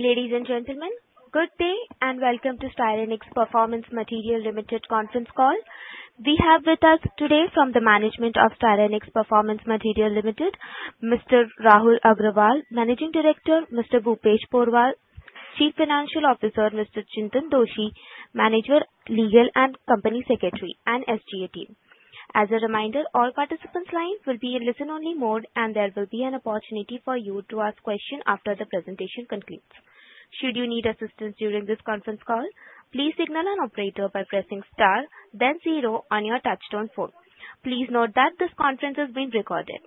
Ladies and gentlemen, good day and welcome to Styrenix Performance Materials Limited conference call. We have with us today from the management of Styrenix Performance Materials Limited, Mr. Rahul Agrawal, Managing Director, Mr. Bhupesh Porwal, Chief Financial Officer, Mr. Chintan Doshi, Manager, Legal and Company Secretary, and SGA team. As a reminder, all participants' lines will be in listen-only mode and there will be an opportunity for you to ask questions after the presentation concludes. Should you need assistance during this conference call, please signal an operator by pressing star, then zero on your touch-tone phone. Please note that this conference is being recorded.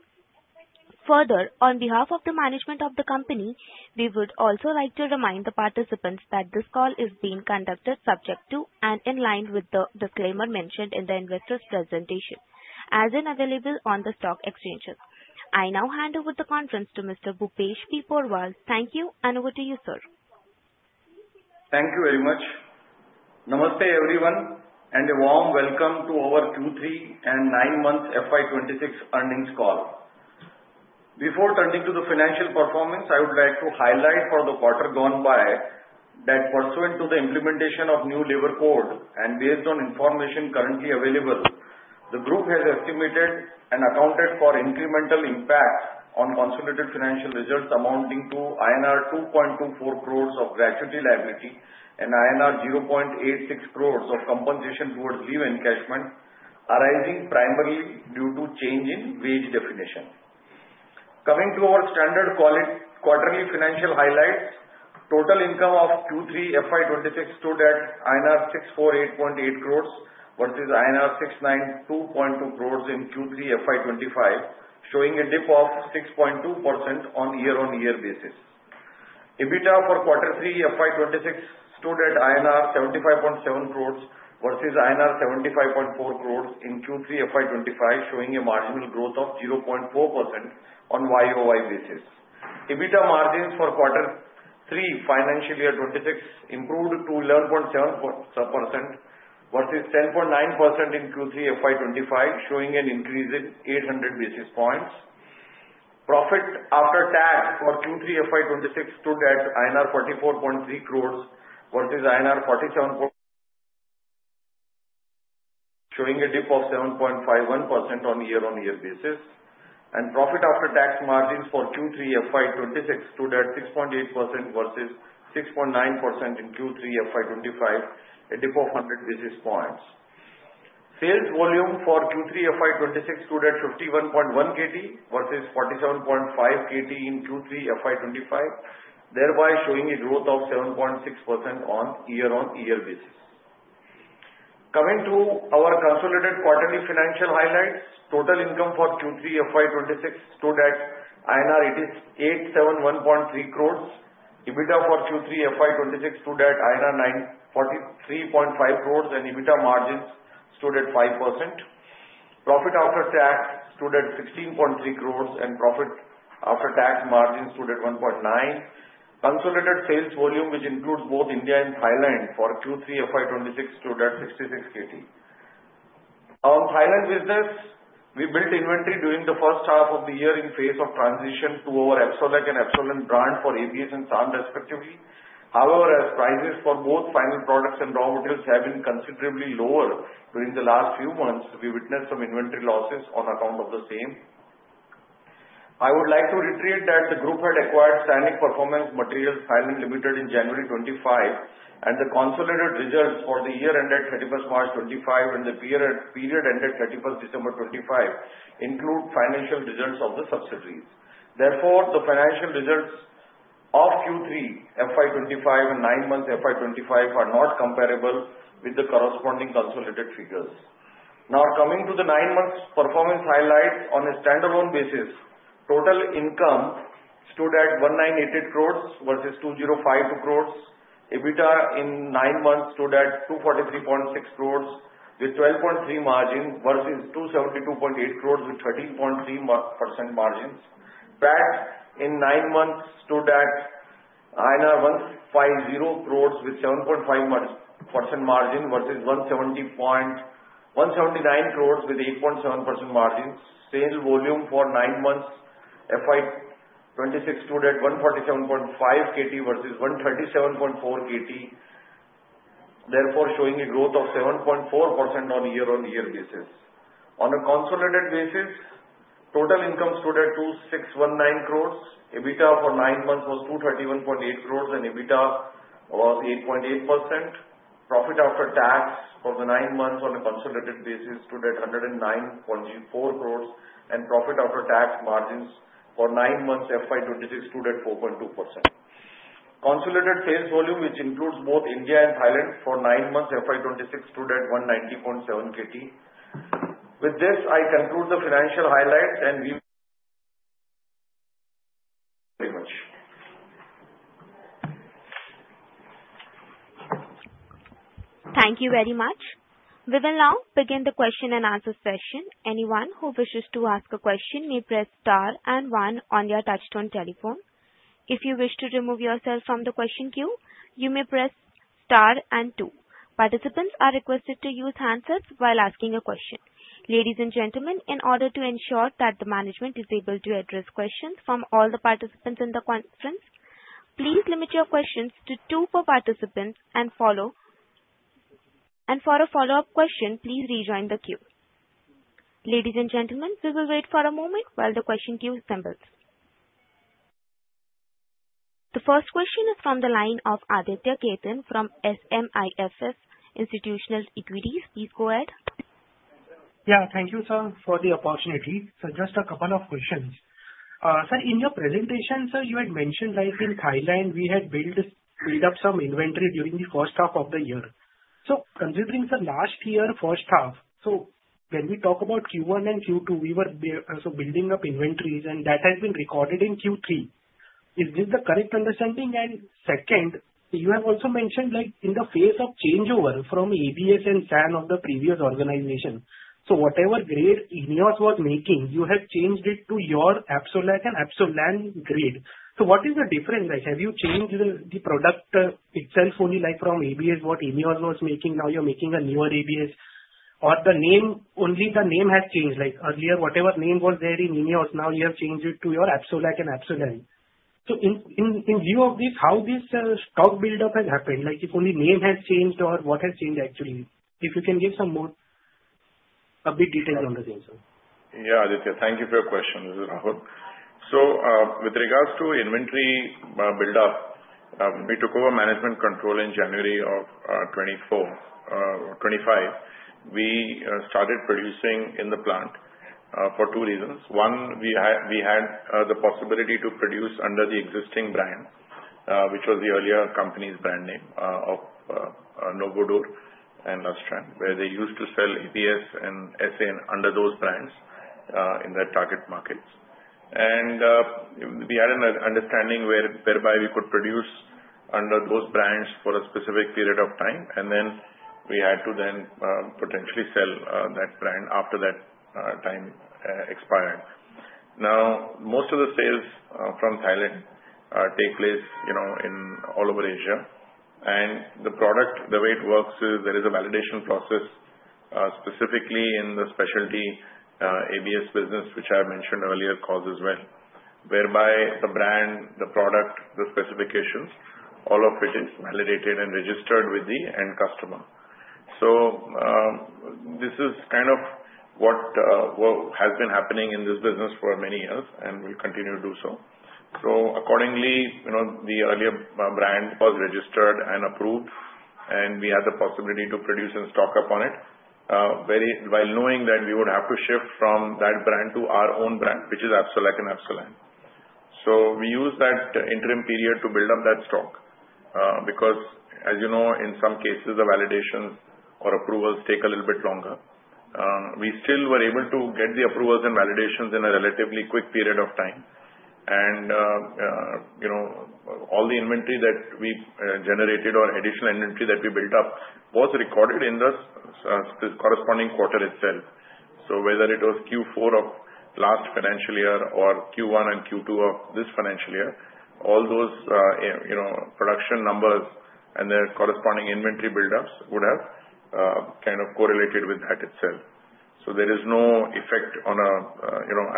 Further, on behalf of the management of the company, we would also like to remind the participants that this call is being conducted subject to and in line with the disclaimer mentioned in the investor's presentation, as is available on the stock exchanges. I now hand over the conference to Mr. Bhupesh Porwal. Thank you, and over to you, sir. Thank you very much. Namaste everyone, and a warm welcome to our Q3 and 9-month FY 2026 earnings call. Before turning to the financial performance, I would like to highlight for the quarter gone by that pursuant to the implementation of new labor code and based on information currently available, the group has estimated and accounted for incremental impact on consolidated financial results amounting to INR 2.24 crores of gratuity liability and INR 0.86 crores of compensation towards leave encashment, arising primarily due to change in wage definition. Coming to our standard quarterly financial highlights, total income of Q3 FY 2026 stood at INR 648.8 crores versus INR 692.2 crores in Q3 FY 2025, showing a dip of 6.2% on year-on-year basis. EBITDA for quarter 3 FY 2026 stood at INR 75.7 crores versus INR 75.4 crores in Q3 FY 2025, showing a marginal growth of 0.4% on YoY basis. EBITDA margins for Q3 FY 2026 improved to 11.7% versus 10.9% in Q3 FY 2025, showing an increase in 800 basis points. Profit after tax for Q3 FY 2026 stood at INR 44.3 crores versus INR 47.3 crores, showing a dip of 7.51% on year-over-year basis. Profit after tax margins for Q3 FY 2026 stood at 6.8% versus 6.9% in Q3 FY 2025, a dip of 100 basis points. Sales volume for Q3 FY 2026 stood at 51.1 KT versus 47.5 KT in Q3 FY 2025, thereby showing a growth of 7.6% on year-over-year basis. Coming to our consolidated quarterly financial highlights, total income for Q3 FY 2026 stood at 871.3 crores. EBITDA for Q3 FY 2026 stood at INR 43.5 crores, and EBITDA margins stood at 5%. Profit after tax stood at 16.3 crores, and profit after tax margins stood at 1.9%. Consolidated sales volume, which includes both India and Thailand, for Q3 FY 2026 stood at 66 KT. On Thailand business, we built inventory during the first half of the year in face of transition to our Absolac and Absolan brand for ABS and SAN, respectively. However, as prices for both final products and raw materials have been considerably lower during the last few months, we witnessed some inventory losses on account of the same. I would like to reiterate that the group had acquired Styrenix Performance Materials Thailand Limited in January 2025, and the consolidated results for the year ended 31st March 2025 and the period ended 31st December 2025 include financial results of the subsidiaries. Therefore, the financial results of Q3 FY 2025 and 9-month FY 2025 are not comparable with the corresponding consolidated figures. Now, coming to the 9-month performance highlights, on a standalone basis, total income stood at INR 1,988 crores versus INR 2,052 crores. EBITDA in 9 months stood at INR 243.6 crores with 12.3% margin versus INR 272.8 crores with 13.3% margins. PAT in 9 months stood at INR 150 crores with 7.5% margin versus 179 crores with 8.7% margins. Sales volume for 9-month FY 2026 stood at 147.5 KT versus 137.4 KT, therefore showing a growth of 7.4% on year-on-year basis. On a consolidated basis, total income stood at INR 2,619 crores. EBITDA for 9 months was INR 231.8 crores, and EBITDA was 8.8%. Profit after tax for the 9 months on a consolidated basis stood at 109.4 crores, and profit after tax margins for 9 months FY 2026 stood at 4.2%. Consolidated sales volume, which includes both India and Thailand, for 9 months FY 2026 stood at 190.7 KT. With this, I conclude the financial highlights, and we will. Thank you very much. We will now begin the question-and-answer session. Anyone who wishes to ask a question may press star and one on your touch-tone telephone. If you wish to remove yourself from the question queue, you may press star and two. Participants are requested to use handsets while asking a question. Ladies and gentlemen, in order to ensure that the management is able to address questions from all the participants in the conference, please limit your questions to two per participant and, for a follow-up question, please rejoin the queue. Ladies and gentlemen, we will wait for a moment while the question queue assembles. The first question is from the line of Aditya Khetan from SMIFS Institutional Equities. Please go ahead. Yeah, thank you, sir, for the opportunity. So just a couple of questions. Sir, in your presentation, sir, you had mentioned in Thailand we had built up some inventory during the first half of the year. So considering the last year, first half, so when we talk about Q1 and Q2, we were building up inventories, and that has been recorded in Q3. Is this the correct understanding? And second, you have also mentioned in the face of changeover from ABS and SAN of the previous organization, so whatever grade INEOS was making, you have changed it to your Absolac and Absolan grade. So what is the difference? Have you changed the product itself only from ABS, what INEOS was making? Now you're making a newer ABS, or only the name has changed? Earlier, whatever name was there in INEOS, now you have changed it to your Absolac and Absolan. In view of this, how this stock buildup has happened? If only name has changed or what has changed, actually? If you can give a bit detail on the same, sir. Yeah, Aditya, thank you for your question, Rahul. So with regards to inventory buildup, we took over management control in January of 2024 or 2025. We started producing in the plant for two reasons. One, we had the possibility to produce under the existing brand, which was the earlier company's brand name of Novodur and Lustran, where they used to sell ABS and SAN under those brands in their target markets. And we had an understanding whereby we could produce under those brands for a specific period of time, and then we had to then potentially sell that brand after that time expired. Now, most of the sales from Thailand take place all over Asia. The product, the way it works is there is a validation process, specifically in the specialty ABS business, which I mentioned earlier, as well, whereby the brand, the product, the specifications, all of it is validated and registered with the end customer. So this is kind of what has been happening in this business for many years and will continue to do so. So accordingly, the earlier brand was registered and approved, and we had the possibility to produce and stock up on it while knowing that we would have to shift from that brand to our own brand, which is Absolac and Absolan. So we used that interim period to build up that stock because, as you know, in some cases, the validations or approvals take a little bit longer. We still were able to get the approvals and validations in a relatively quick period of time. All the inventory that we generated or additional inventory that we built up was recorded in the corresponding quarter itself. So whether it was Q4 of last financial year or Q1 and Q2 of this financial year, all those production numbers and their corresponding inventory buildups would have kind of correlated with that itself. So there is no effect on a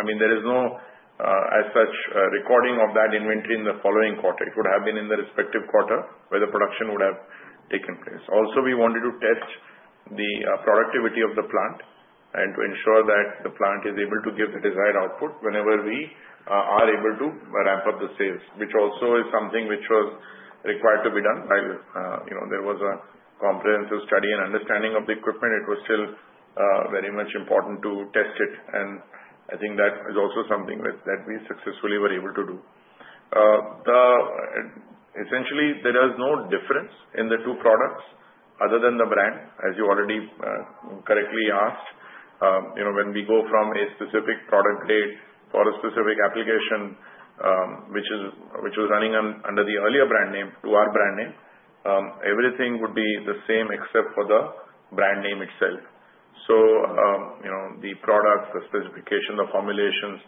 I mean, there is no as such recording of that inventory in the following quarter. It would have been in the respective quarter where the production would have taken place. Also, we wanted to test the productivity of the plant and to ensure that the plant is able to give the desired output whenever we are able to ramp up the sales, which also is something which was required to be done. While there was a comprehensive study and understanding of the equipment, it was still very much important to test it. I think that is also something that we successfully were able to do. Essentially, there is no difference in the two products other than the brand, as you already correctly asked. When we go from a specific product grade for a specific application, which was running under the earlier brand name to our brand name, everything would be the same except for the brand name itself. The product, the specification, the formulations,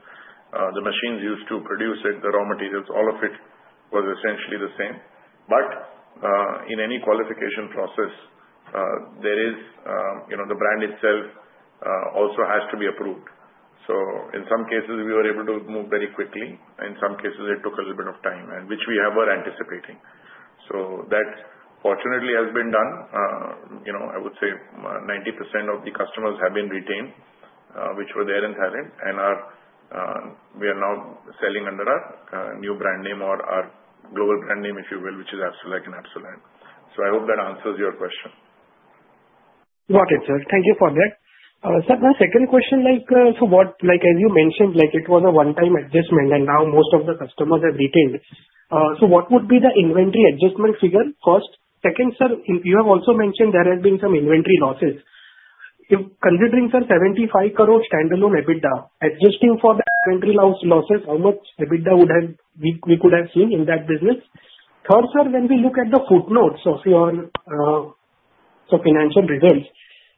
the machines used to produce it, the raw materials, all of it was essentially the same. In any qualification process, the brand itself also has to be approved. In some cases, we were able to move very quickly. In some cases, it took a little bit of time, which we were anticipating. So that fortunately has been done. I would say 90% of the customers have been retained, which were there in Thailand, and we are now selling under our new brand name or our global brand name, if you will, which is Absolac and Absolan. So I hope that answers your question. Got it, sir. Thank you for that. Sir, my second question, so as you mentioned, it was a one-time adjustment, and now most of the customers have retained. So what would be the inventory adjustment figure first? Second, sir, you have also mentioned there have been some inventory losses. Considering, sir, 75 crore standalone EBITDA, adjusting for the inventory losses, how much EBITDA would have we could have seen in that business? Third, sir, when we look at the footnotes of your financial results,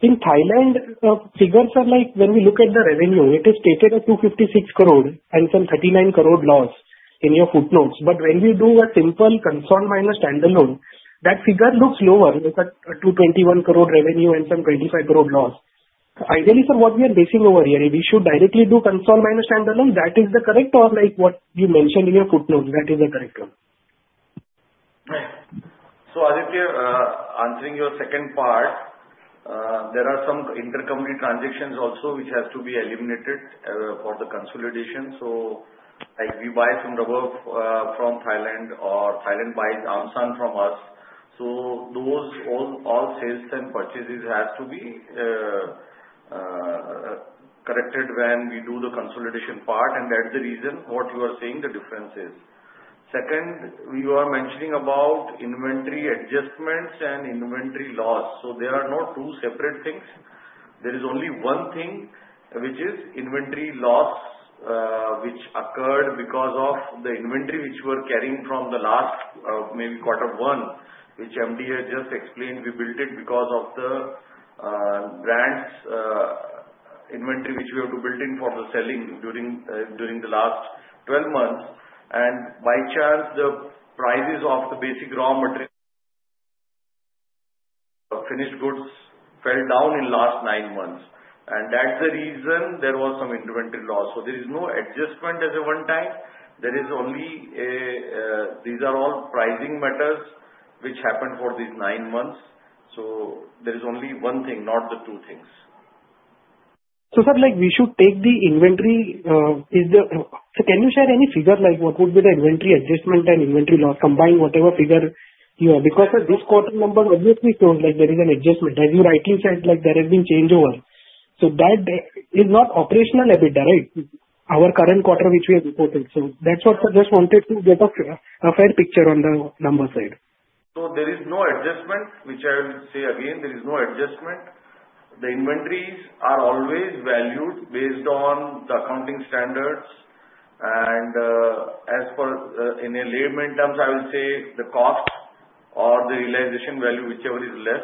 in Thailand figures, sir, when we look at the revenue, it is stated at 256 crore and some 39 crore loss in your footnotes. But when we do a simple consolidated minus standalone, that figure looks lower with a 221 crore revenue and some 25 crore loss. Ideally, sir, what we are basing over here, if we should directly do consolidated minus standalone, that is the correct or what you mentioned in your footnotes, that is the correct one? Right. So Aditya, answering your second part, there are some intercompany transactions also which has to be eliminated for the consolidation. So we buy some rubber from Thailand, or Thailand buys ABS and SAN from us. So those all sales and purchases have to be corrected when we do the consolidation part, and that's the reason what you are saying the difference is. Second, we were mentioning about inventory adjustments and inventory loss. So they are not two separate things. There is only one thing, which is inventory loss which occurred because of the inventory which we were carrying from the last maybe quarter one, which the MD just explained we built it because of the brands' inventory which we have to build in for the selling during the last 12 months. And by chance, the prices of the basic raw material, finished goods, fell down in the last 9 months. That's the reason there was some inventory loss. There is no adjustment as a one-time. These are all pricing matters which happened for these nine months. There is only one thing, not the two things. So, sir, we should take the inventory. So, can you share any figure? What would be the inventory adjustment and inventory loss combined, whatever figure you have? Because this quarter number obviously shows there is an adjustment. As you rightly said, there has been changeover. So that is not operational EBITDA, right, our current quarter which we have reported. So that's what, sir, just wanted to get a fair picture on the number side. So there is no adjustment, which I will say again, there is no adjustment. The inventories are always valued based on the accounting standards. And as for in layman terms, I will say the cost or the realization value, whichever is less.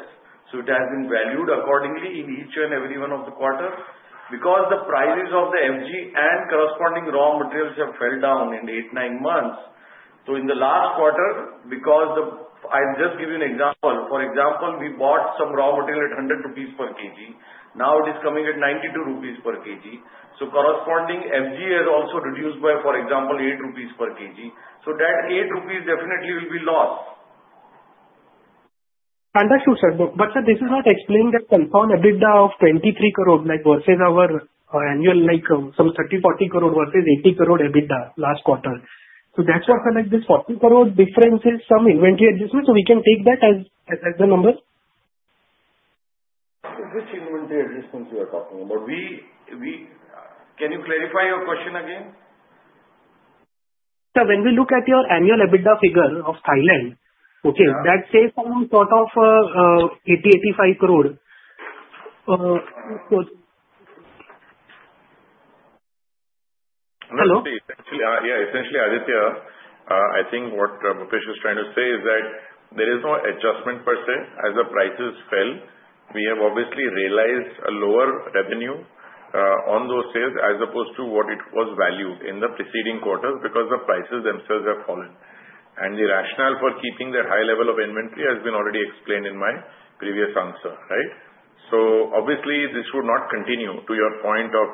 So it has been valued accordingly in each and every one of the quarters. Because the prices of the FG and corresponding raw materials have fell down in 8, 9 months, so in the last quarter, because I'll just give you an example. For example, we bought some raw material at 100 rupees per kilogram. Now it is coming at 92 rupees per kg. So corresponding FG has also reduced by, for example, 8 rupees per kilogram. So that 8 rupees definitely will be loss. That's true, sir. Sir, this is not explaining the consolidated EBITDA of 23 crore versus our annual some 30 crore-40 crore versus 80 crore EBITDA last quarter. That's why sir, this 40 crore difference is some inventory adjustment. We can take that as the number. Which inventory adjustments you are talking about? Can you clarify your question again? Sir, when we look at your annual EBITDA figure of Thailand, okay, that says some sort of 80 crore- INR 85 crore. Hello? Yeah, essentially, Aditya, I think what Chintan is trying to say is that there is no adjustment per se. As the prices fell, we have obviously realized a lower revenue on those sales as opposed to what it was valued in the preceding quarters because the prices themselves have fallen. And the rationale for keeping that high level of inventory has been already explained in my previous answer, right? So obviously, this would not continue, to your point of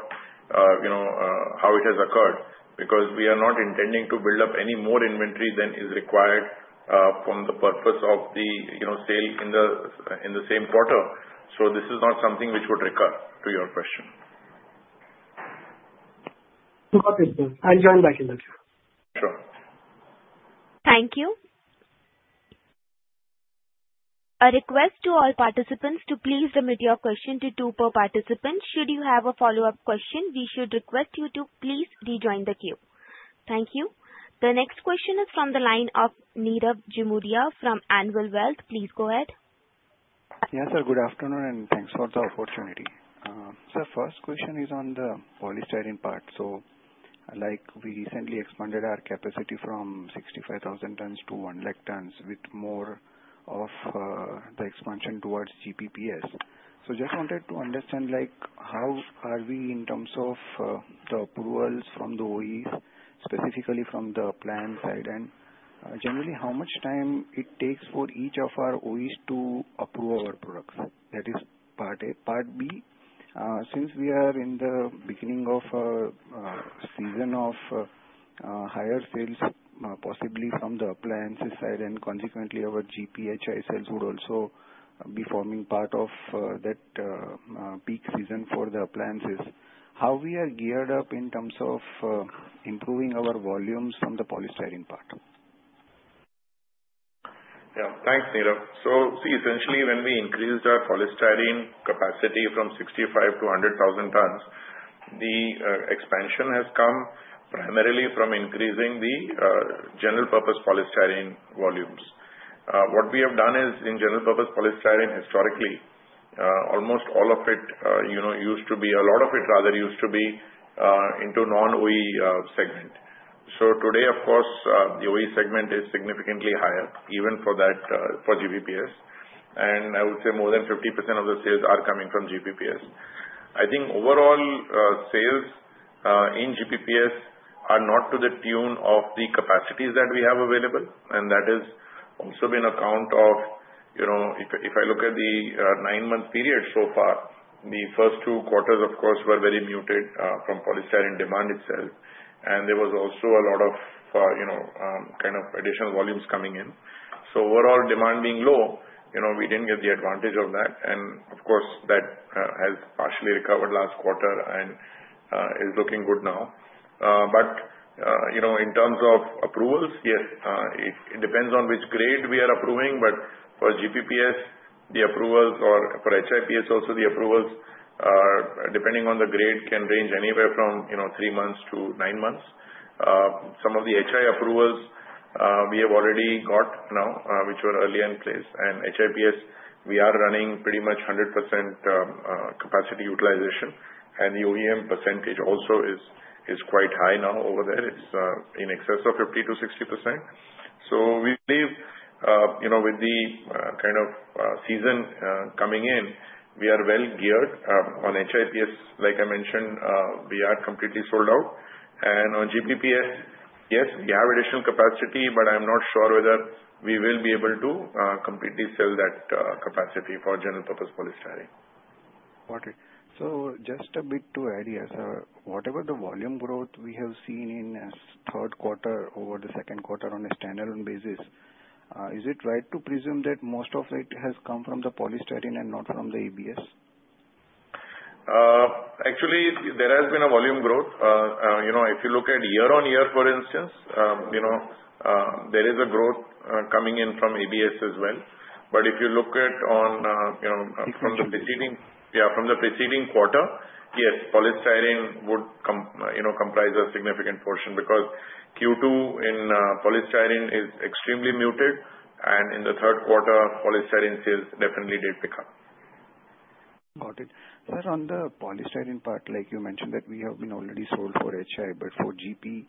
how it has occurred, because we are not intending to build up any more inventory than is required from the purpose of the sale in the same quarter. So this is not something which would recur, to your question. Got it, sir. I'll join back in a bit. Sure. Thank you. A request to all participants to please limit your question to two per participant. Should you have a follow-up question, we would request you to please rejoin the queue. Thank you. The next question is from the line of Nirav Jimudia from Anvil Wealth. Please go ahead. Yeah, sir. Good afternoon, and thanks for the opportunity. Sir, first question is on the polystyrene part. So we recently expanded our capacity from 65,000 to 1,000,000 tons with more of the expansion towards GPPS. So just wanted to understand how are we in terms of the approvals from the OEMs, specifically from the plant side, and generally, how much time it takes for each of our OEMs to approve our products. That is part A. Part B, since we are in the beginning of a season of higher sales, possibly from the appliances side, and consequently, our HIPS sales would also be forming part of that peak season for the appliances. How we are geared up in terms of improving our volumes from the polystyrene part? Yeah. Thanks, Nirav. So see, essentially, when we increased our polystyrene capacity from 65,000 to 100,000 tons, the expansion has come primarily from increasing the general-purpose polystyrene volumes. What we have done is, in general-purpose polystyrene, historically, almost all of it used to be a lot of it rather used to be into non-OEM segment. So today, of course, the OEM segment is significantly higher, even for GPPS. And I would say more than 50% of the sales are coming from GPPS. I think overall sales in GPPS are not to the tune of the capacities that we have available. And that has also been a count of if I look at the nine-month period so far, the first two quarters, of course, were very muted from polystyrene demand itself. And there was also a lot of kind of additional volumes coming in. So overall, demand being low, we didn't get the advantage of that. Of course, that has partially recovered last quarter and is looking good now. But in terms of approvals, yes, it depends on which grade we are approving. But for GPPS, the approvals or for HIPS also, the approvals, depending on the grade, can range anywhere from three months to nine months. Some of the HI approvals, we have already got now, which were earlier in place. HIPS, we are running pretty much 100% capacity utilization. The OEM percentage also is quite high now over there. It's in excess of 50%-60%. So we believe with the kind of season coming in, we are well geared. On HIPS, like I mentioned, we are completely sold out. On GPPS, yes, we have additional capacity, but I'm not sure whether we will be able to completely sell that capacity for general-purpose polystyrene. Got it. So just a bit to add here, sir, whatever the volume growth we have seen in third quarter over the second quarter on a standalone basis, is it right to presume that most of it has come from the polystyrene and not from the ABS? Actually, there has been a volume growth. If you look at year-on-year, for instance, there is a growth coming in from ABS as well. But if you look at it from the preceding year, from the preceding quarter, yes, polystyrene would comprise a significant portion because Q2 in polystyrene is extremely muted. In the third quarter, polystyrene sales definitely did pick up. Got it. Sir, on the polystyrene part, you mentioned that we have been already sold for HI. But for GP,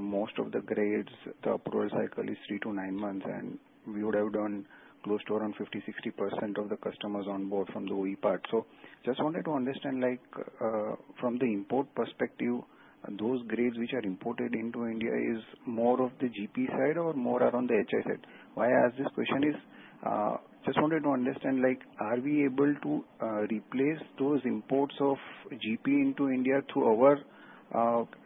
most of the grades, the approval cycle is three to nine months. And we would have done close to around 50%-60% of the customers on board from the OEM part. So just wanted to understand, from the import perspective, those grades which are imported into India, is more of the GP side or more around the HI side? Why I ask this question is just wanted to understand, are we able to replace those imports of GP into India through our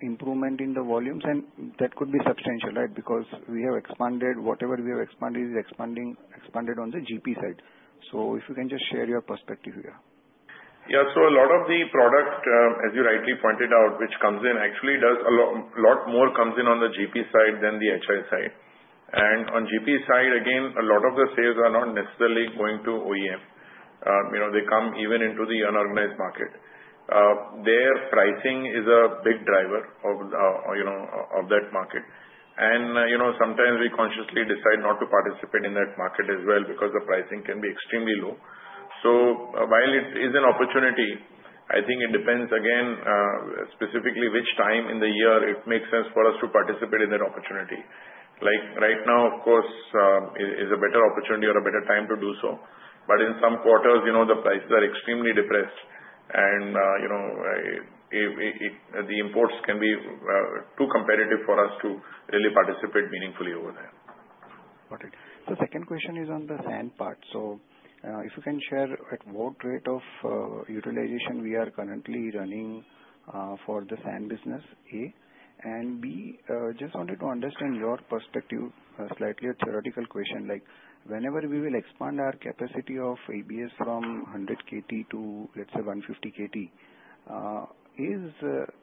improvement in the volumes? And that could be substantial, right, because we have expanded. Whatever we have expanded is expanded on the GP side. So if you can just share your perspective here. Yeah. So a lot of the product, as you rightly pointed out, which comes in, actually does a lot more comes in on the GP side than the HI side. And on GP side, again, a lot of the sales are not necessarily going to OEM. They come even into the unorganized market. Their pricing is a big driver of that market. And sometimes we consciously decide not to participate in that market as well because the pricing can be extremely low. So while it is an opportunity, I think it depends, again, specifically which time in the year it makes sense for us to participate in that opportunity. Right now, of course, is a better opportunity or a better time to do so. But in some quarters, the prices are extremely depressed. And the imports can be too competitive for us to really participate meaningfully over there. Got it. The second question is on the SAN part. So if you can share at what rate of utilization we are currently running for the SAN business, A? And B, just wanted to understand your perspective, slightly a theoretical question. Whenever we will expand our capacity of ABS from 100 KT to, let's say, 150 KT, is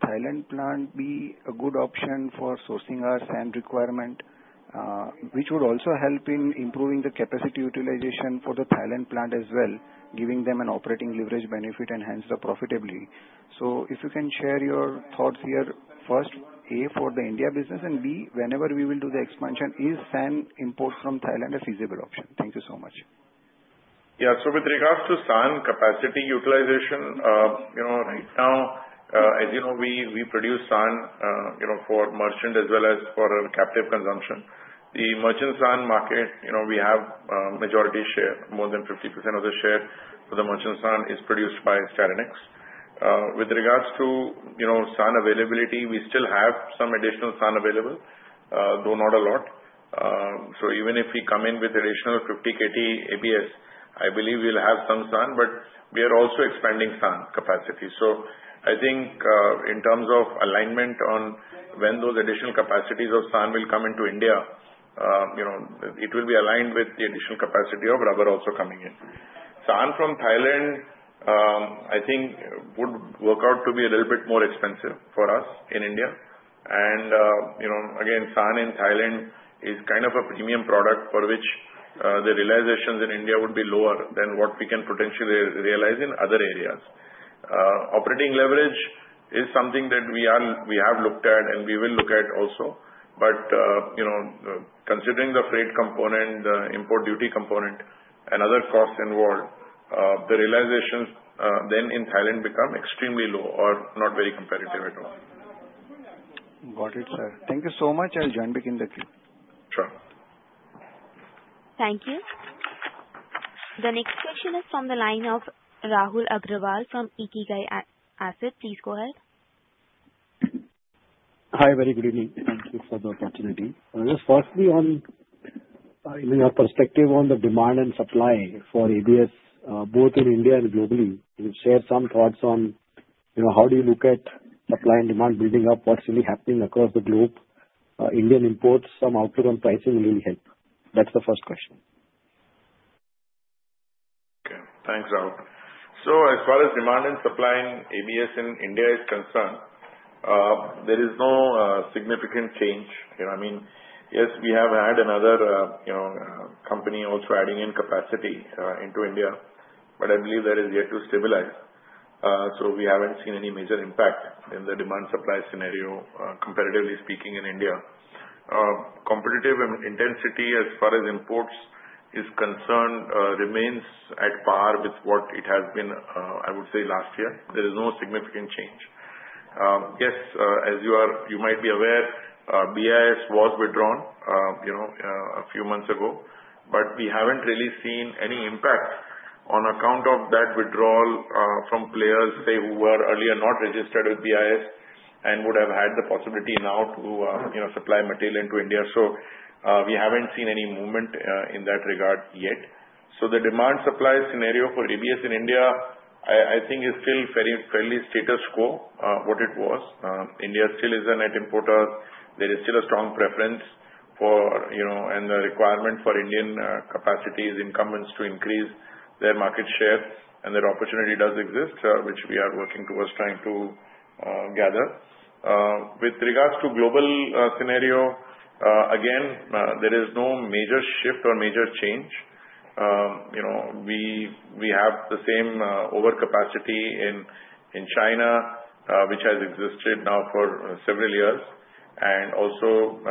Thailand plant be a good option for sourcing our SAN requirement, which would also help in improving the capacity utilization for the Thailand plant as well, giving them an operating leverage benefit and hence the profitability? So if you can share your thoughts here, first, A, for the India business, and B, whenever we will do the expansion, is SAN import from Thailand a feasible option? Thank you so much. Yeah. So with regards to SAN capacity utilization, right now, as you know, we produce SAN for merchant as well as for captive consumption. The merchant SAN market, we have majority share, more than 50% of the share for the merchant SAN is produced by Styrenix. With regards to SAN availability, we still have some additional SAN available, though not a lot. So even if we come in with additional 50 KT ABS, I believe we'll have some SAN. But we are also expanding SAN capacity. So I think in terms of alignment on when those additional capacities of SAN will come into India, it will be aligned with the additional capacity of rubber also coming in. SAN from Thailand, I think, would work out to be a little bit more expensive for us in India. And again, SAN in Thailand is kind of a premium product for which the realizations in India would be lower than what we can potentially realize in other areas. Operating leverage is something that we have looked at and we will look at also. But considering the freight component, the import duty component, and other costs involved, the realizations then in Thailand become extremely low or not very competitive at all. Got it, sir. Thank you so much. I'll join back in the queue. Sure. Thank you. The next question is from the line of Rahul Agarwal from Ikigai Asset. Please go ahead. Hi. Very good evening. Thank you for the opportunity. Just firstly, in your perspective on the demand and supply for ABS, both in India and globally, share some thoughts on how do you look at supply and demand building up? What's really happening across the globe? Indian imports, some outlook on pricing will really help. That's the first question. Okay. Thanks, Rahul. So as far as demand and supply in ABS in India is concerned, there is no significant change. I mean, yes, we have had another company also adding in capacity into India. But I believe that is yet to stabilize. So we haven't seen any major impact in the demand-supply scenario, competitively speaking, in India. Competitive intensity, as far as imports is concerned, remains at par with what it has been, I would say, last year. There is no significant change. Yes, as you might be aware, BIS was withdrawn a few months ago. But we haven't really seen any impact on account of that withdrawal from players, say, who were earlier not registered with BIS and would have had the possibility now to supply material into India. So we haven't seen any movement in that regard yet. So the demand-supply scenario for ABS in India, I think, is still fairly status quo, what it was. India still is a net importer. There is still a strong preference for and the requirement for Indian capacities incumbents to increase their market share. And that opportunity does exist, which we are working towards trying to gather. With regards to global scenario, again, there is no major shift or major change. We have the same overcapacity in China, which has existed now for several years, and also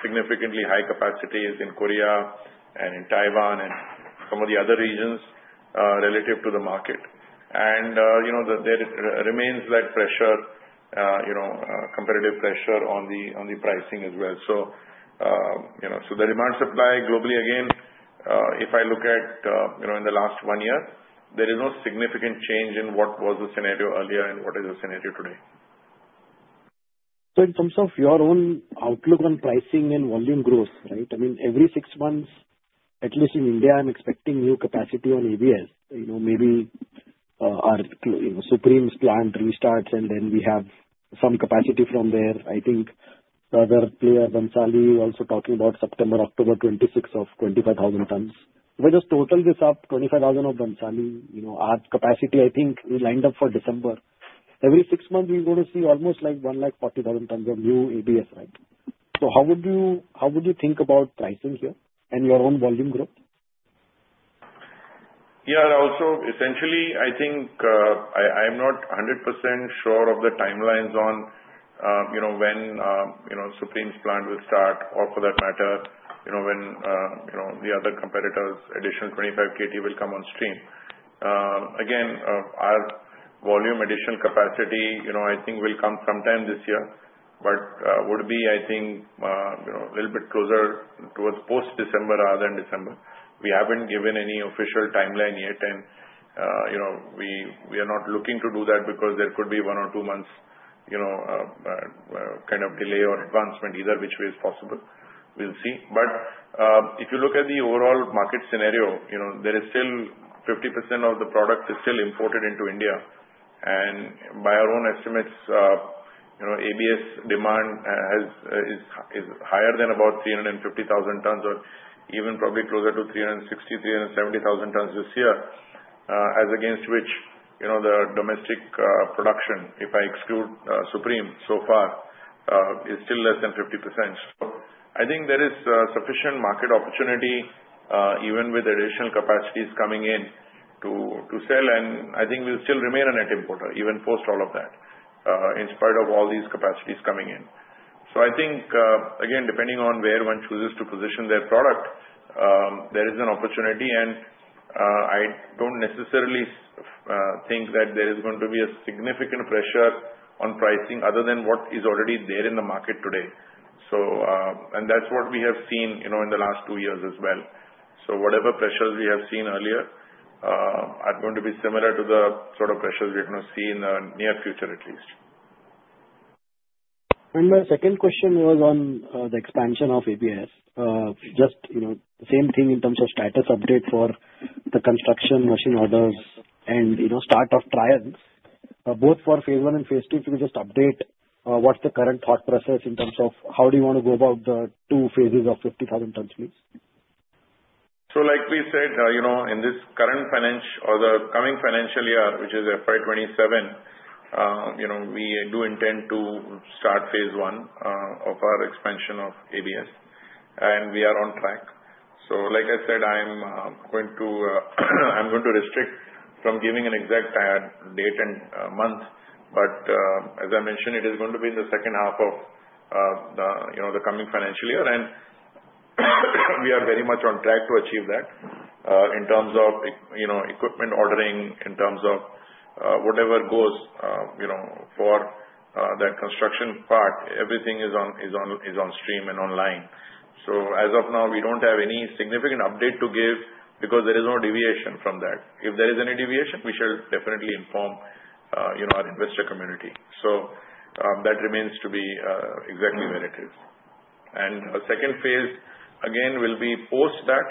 significantly high capacities in Korea and in Taiwan and some of the other regions relative to the market. And there remains that pressure, competitive pressure, on the pricing as well. So the demand-supply globally, again, if I look at in the last one year, there is no significant change in what was the scenario earlier and what is the scenario today. So in terms of your own outlook on pricing and volume growth, right, I mean, every six months, at least in India, I'm expecting new capacity on ABS. Maybe or Supreme's plant restarts, and then we have some capacity from there. I think the other player, Bhansali, also talking about September-October 2026 of 25,000 tons. If I just total this up, 25,000 of Bhansali's capacity, I think, lined up for December. Every six months, we're going to see almost like 140,000 tons of new ABS, right? So how would you think about pricing here and your own volume growth? Yeah. And also, essentially, I think I am not 100% sure of the timelines on when Supreme's plant will start or, for that matter, when the other competitors' additional 25 KT will come on stream. Again, our volume additional capacity, I think, will come sometime this year. But would be, I think, a little bit closer towards post-December rather than December. We haven't given any official timeline yet. And we are not looking to do that because there could be one or two months' kind of delay or advancement either, which way is possible. We'll see. But if you look at the overall market scenario, there is still 50% of the product is still imported into India. By our own estimates, ABS demand is higher than about 350,000 tons or even probably closer to 360,000-370,000 tons this year, as against which the domestic production, if I exclude Supreme so far, is still less than 50%. I think there is sufficient market opportunity, even with additional capacities coming in, to sell. I think we'll still remain a net importer even post all of that, in spite of all these capacities coming in. I think, again, depending on where one chooses to position their product, there is an opportunity. I don't necessarily think that there is going to be a significant pressure on pricing other than what is already there in the market today. That's what we have seen in the last two years as well. Whatever pressures we have seen earlier are going to be similar to the sort of pressures we're going to see in the near future, at least. The second question was on the expansion of ABS. Just the same thing in terms of status update for the construction machine orders and start of trials, both for phase I and phase II. If you could just update what's the current thought process in terms of how do you want to go about the two phases of 50,000 tons, please? So like we said, in this current financial or the coming financial year, which is FY 2027, we do intend to start phase one of our expansion of ABS. We are on track. So like I said, I'm going to restrict from giving an exact date and month. But as I mentioned, it is going to be in the second half of the coming financial year. We are very much on track to achieve that in terms of equipment ordering, in terms of whatever goes for that construction part. Everything is on stream and online. So as of now, we don't have any significant update to give because there is no deviation from that. If there is any deviation, we shall definitely inform our investor community. So that remains to be exactly where it is. A second phase, again, will be post that,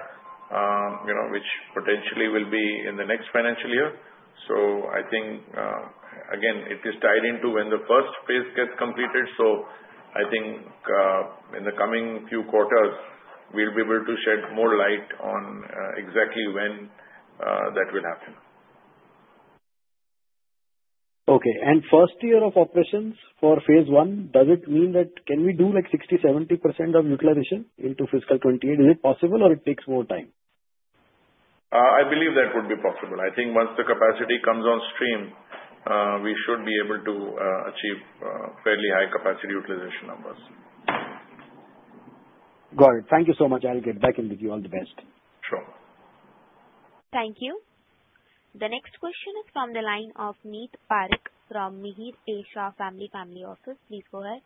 which potentially will be in the next financial year. I think, again, it is tied into when the first phase gets completed. I think in the coming few quarters, we'll be able to shed more light on exactly when that will happen. Okay. And first year of operations for phase I, does it mean that can we do like 60%-70% of utilization into fiscal 2028? Is it possible, or it takes more time? I believe that would be possible. I think once the capacity comes on stream, we should be able to achieve fairly high capacity utilization numbers. Got it. Thank you so much. I'll get back and wish you all the best. Sure. Thank you. The next question is from the line of Meet Parikh from Meher Asia Family Office. Please go ahead.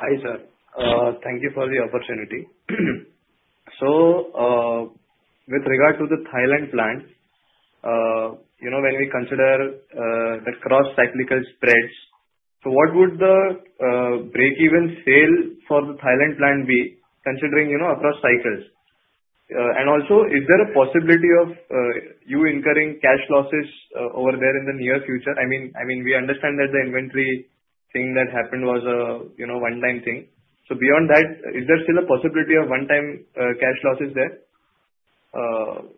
Hi, sir. Thank you for the opportunity. With regard to the Thailand plant, when we consider the cross-cyclical spreads, what would the break-even sale for the Thailand plant be considering across cycles? And also, is there a possibility of you incurring cash losses over there in the near future? I mean, we understand that the inventory thing that happened was a one-time thing. So beyond that, is there still a possibility of one-time cash losses there?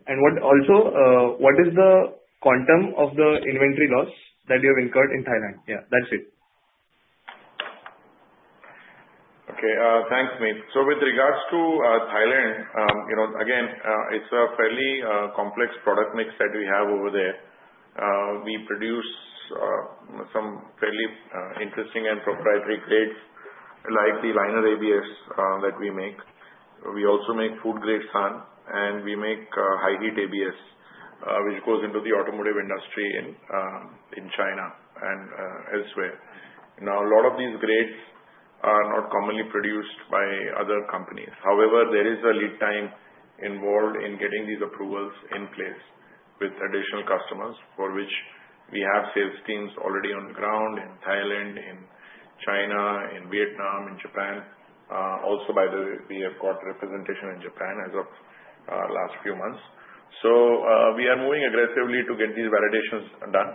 And also, what is the quantum of the inventory loss that you have incurred in Thailand? Yeah, that's it. Okay. Thanks, Meet. So with regards to Thailand, again, it's a fairly complex product mix that we have over there. We produce some fairly interesting and proprietary grades like the liner ABS that we make. We also make food-grade SAN. And we make high-heat ABS, which goes into the automotive industry in China and elsewhere. Now, a lot of these grades are not commonly produced by other companies. However, there is a lead time involved in getting these approvals in place with additional customers, for which we have sales teams already on the ground in Thailand, in China, in Vietnam, in Japan. Also, by the way, we have got representation in Japan as of last few months. So we are moving aggressively to get these validations done.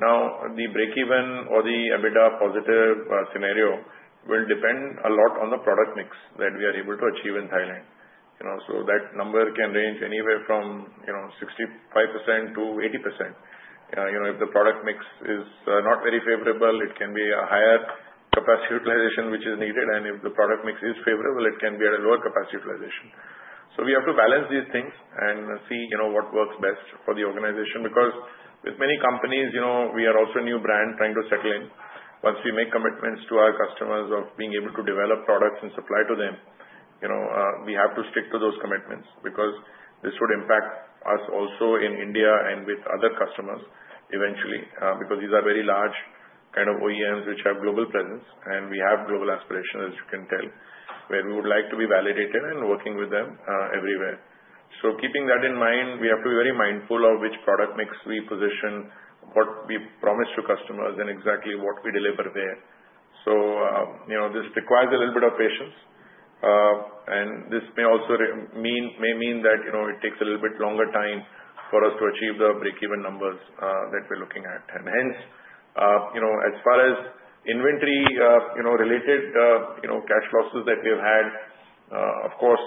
Now, the break-even or the EBITDA positive scenario will depend a lot on the product mix that we are able to achieve in Thailand. So that number can range anywhere from 65%-80%. If the product mix is not very favorable, it can be a higher capacity utilization, which is needed. And if the product mix is favorable, it can be at a lower capacity utilization. So we have to balance these things and see what works best for the organization. Because with many companies, we are also a new brand trying to settle in. Once we make commitments to our customers of being able to develop products and supply to them, we have to stick to those commitments because this would impact us also in India and with other customers eventually because these are very large kind of OEMs which have global presence. And we have global aspirations, as you can tell, where we would like to be validated and working with them everywhere. So keeping that in mind, we have to be very mindful of which product mix we position, what we promise to customers, and exactly what we deliver there. So this requires a little bit of patience. And this may also mean that it takes a little bit longer time for us to achieve the break-even numbers that we're looking at. And hence, as far as inventory-related cash losses that we have had, of course,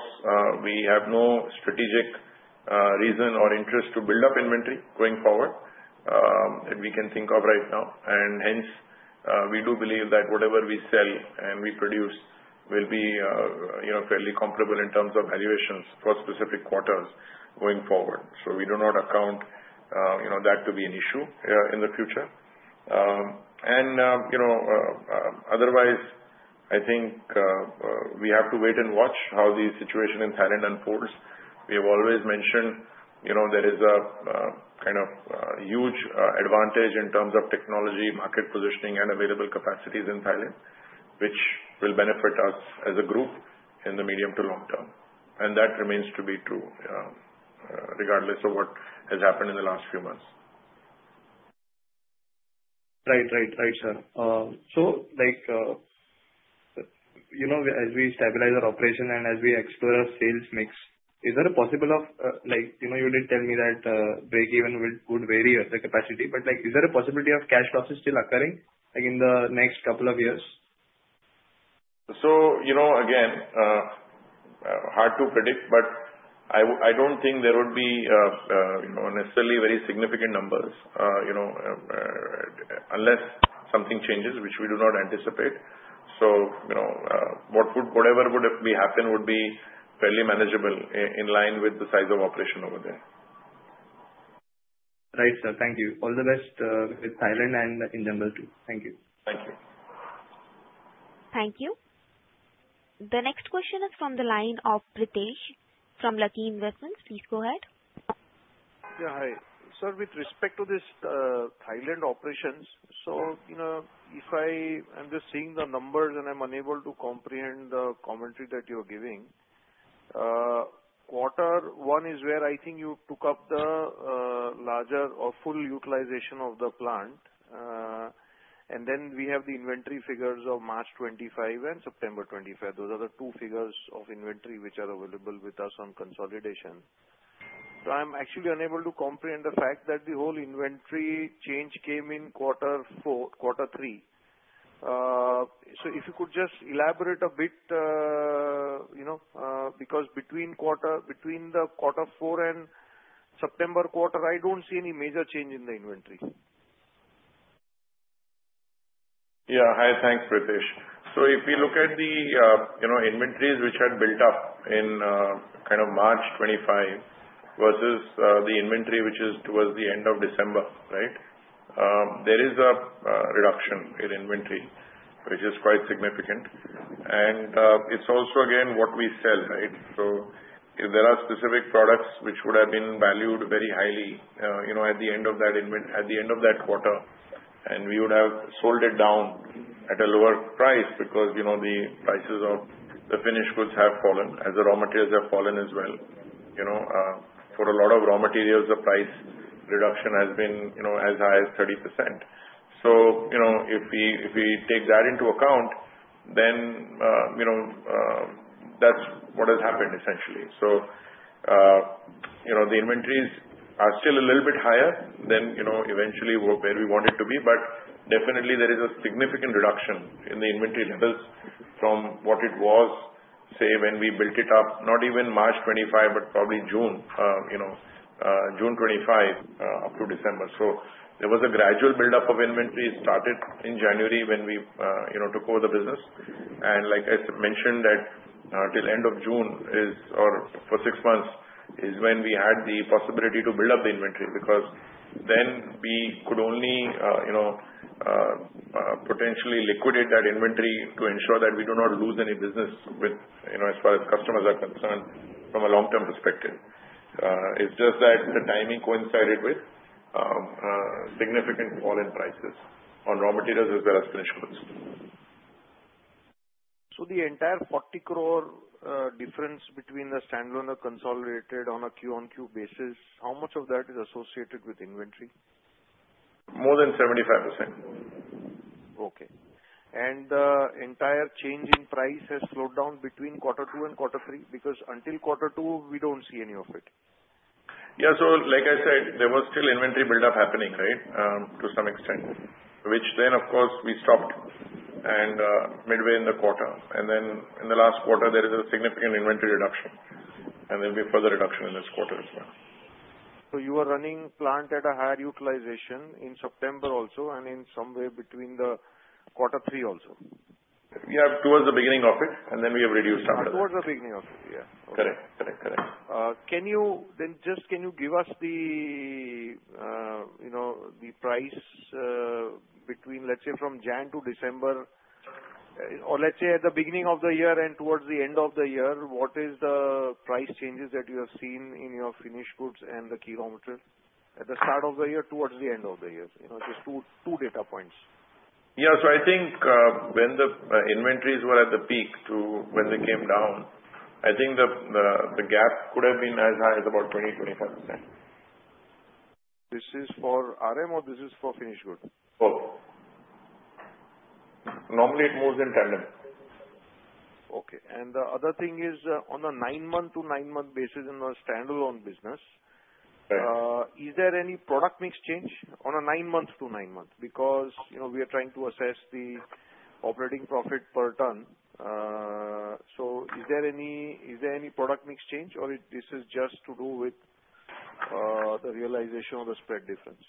we have no strategic reason or interest to build up inventory going forward that we can think of right now. And hence, we do believe that whatever we sell and we produce will be fairly comparable in terms of valuations for specific quarters going forward. We do not account that to be an issue in the future. Otherwise, I think we have to wait and watch how the situation in Thailand unfolds. We have always mentioned there is a kind of huge advantage in terms of technology, market positioning, and available capacities in Thailand, which will benefit us as a group in the medium to long term. That remains to be true regardless of what has happened in the last few months. Right, right, right, sir. So as we stabilize our operation and as we explore our sales mix, is there a possibility? You did tell me that break-even would vary the capacity. But is there a possibility of cash losses still occurring in the next couple of years? So again, hard to predict. But I don't think there would be necessarily very significant numbers unless something changes, which we do not anticipate. So whatever would happen would be fairly manageable in line with the size of operation over there. Right, sir. Thank you. All the best with Thailand and in Jambusar too. Thank you. Thank you. Thank you. The next question is from the line of Pritesh from Lucky Investments. Please go ahead. Yeah. Hi. Sir, with respect to this Thailand operations, so if I am just seeing the numbers, and I'm unable to comprehend the commentary that you're giving, quarter one is where I think you took up the larger or full utilization of the plant. And then we have the inventory figures of March 2025 and September 2025. Those are the two figures of inventory which are available with us on consolidation. So I'm actually unable to comprehend the fact that the whole inventory change came in quarter three. So if you could just elaborate a bit because between the quarter four and September quarter, I don't see any major change in the inventory. Yeah. Hi. Thanks, Pritesh. So if we look at the inventories which had built up in kind of March 2025 versus the inventory which was the end of December, right, there is a reduction in inventory, which is quite significant. And it's also, again, what we sell, right? So if there are specific products which would have been valued very highly at the end of that at the end of that quarter, and we would have sold it down at a lower price because the prices of the finished goods have fallen, as the raw materials have fallen as well. For a lot of raw materials, the price reduction has been as high as 30%. So if we take that into account, then that's what has happened, essentially. So the inventories are still a little bit higher than eventually where we want it to be. But definitely, there is a significant reduction in the inventory levels from what it was, say, when we built it up, not even March 2025 but probably June 2025. Up to December. So there was a gradual buildup of inventory. It started in January when we took over the business. And like I mentioned, until end of June or for six months is when we had the possibility to build up the inventory because then we could only potentially liquidate that inventory to ensure that we do not lose any business as far as customers are concerned from a long-term perspective. It's just that the timing coincided with significant fall in prices on raw materials as well as finished goods. Entire 40 crore difference between the standalone, the consolidated, on a Q-on-Q basis, how much of that is associated with inventory? More than 75%. Okay. And the entire change in price has slowed down between quarter two and quarter three because until quarter two, we don't see any of it? Yeah. So like I said, there was still inventory buildup happening, right, to some extent, which then, of course, we stopped midway in the quarter. And then in the last quarter, there is a significant inventory reduction. And there'll be further reduction in this quarter as well. So you are running plant at a higher utilization in September also and in some way between the quarter three also? Yeah. Towards the beginning of it, and then we have reduced after that. Towards the beginning of it. Yeah. Okay. Correct, correct, correct. Then just can you give us the price between, let's say, from January to December or let's say at the beginning of the year and towards the end of the year, what is the price changes that you have seen in your finished goods and the KTs at the start of the year towards the end of the year? Just two data points. Yeah. So I think when the inventories were at the peak to when they came down, I think the gap could have been as high as about 20%-25%. This is for RM, or this is for finished goods? Both. Normally, it moves in tandem. Okay. The other thing is, on a nine-month-to-nine-month basis in the standalone business, is there any product mix change on a nine-month-to-nine-month? Because we are trying to assess the operating profit per ton. So is there any product mix change, or this is just to do with the realization of the spread difference?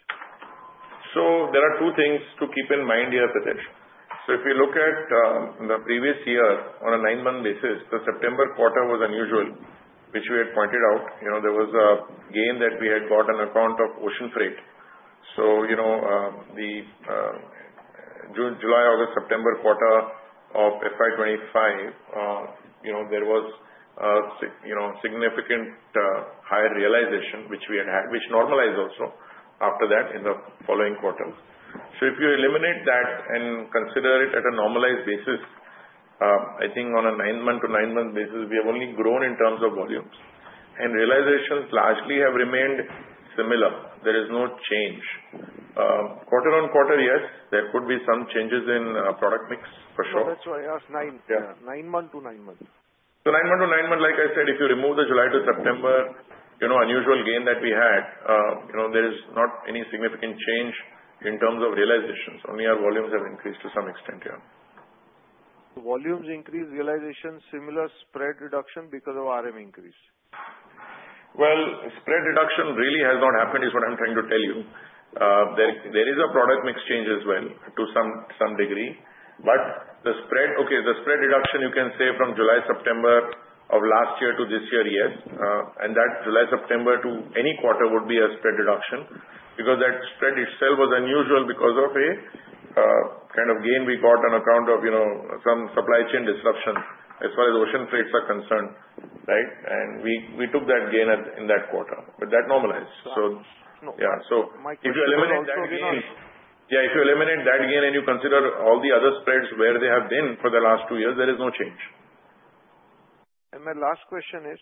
So there are two things to keep in mind here, Pritesh. So if we look at the previous year on a nine-month basis, the September quarter was unusual, which we had pointed out. There was a gain that we had got on account of ocean freight. So the July, August, September quarter of FY 2025, there was a significant higher realization, which we had had, which normalized also after that in the following quarters. So if you eliminate that and consider it at a normalized basis, I think on a nine-month-to-nine-month basis, we have only grown in terms of volumes. And realizations largely have remained similar. There is no change. Quarter-on-quarter, yes, there could be some changes in product mix, for sure. That's what I asked. 9-month-to-9-month. So 9-month-to-9-month, like I said, if you remove the July to September unusual gain that we had, there is not any significant change in terms of realizations. Only our volumes have increased to some extent here. Volumes increase, realizations similar, spread reduction because of RM increase? Well, spread reduction really has not happened, is what I'm trying to tell you. There is a product mix change as well to some degree. But okay, the spread reduction, you can say, from July, September of last year to this year, yes. And that July, September to any quarter would be a spread reduction because that spread itself was unusual because of a kind of gain we got on account of some supply chain disruption as far as ocean freights are concerned, right? And we took that gain in that quarter, but that normalized. So yeah. So if you eliminate that gain. So Rahul, can you? Yeah. If you eliminate that gain and you consider all the other spreads where they have been for the last two years, there is no change. My last question is,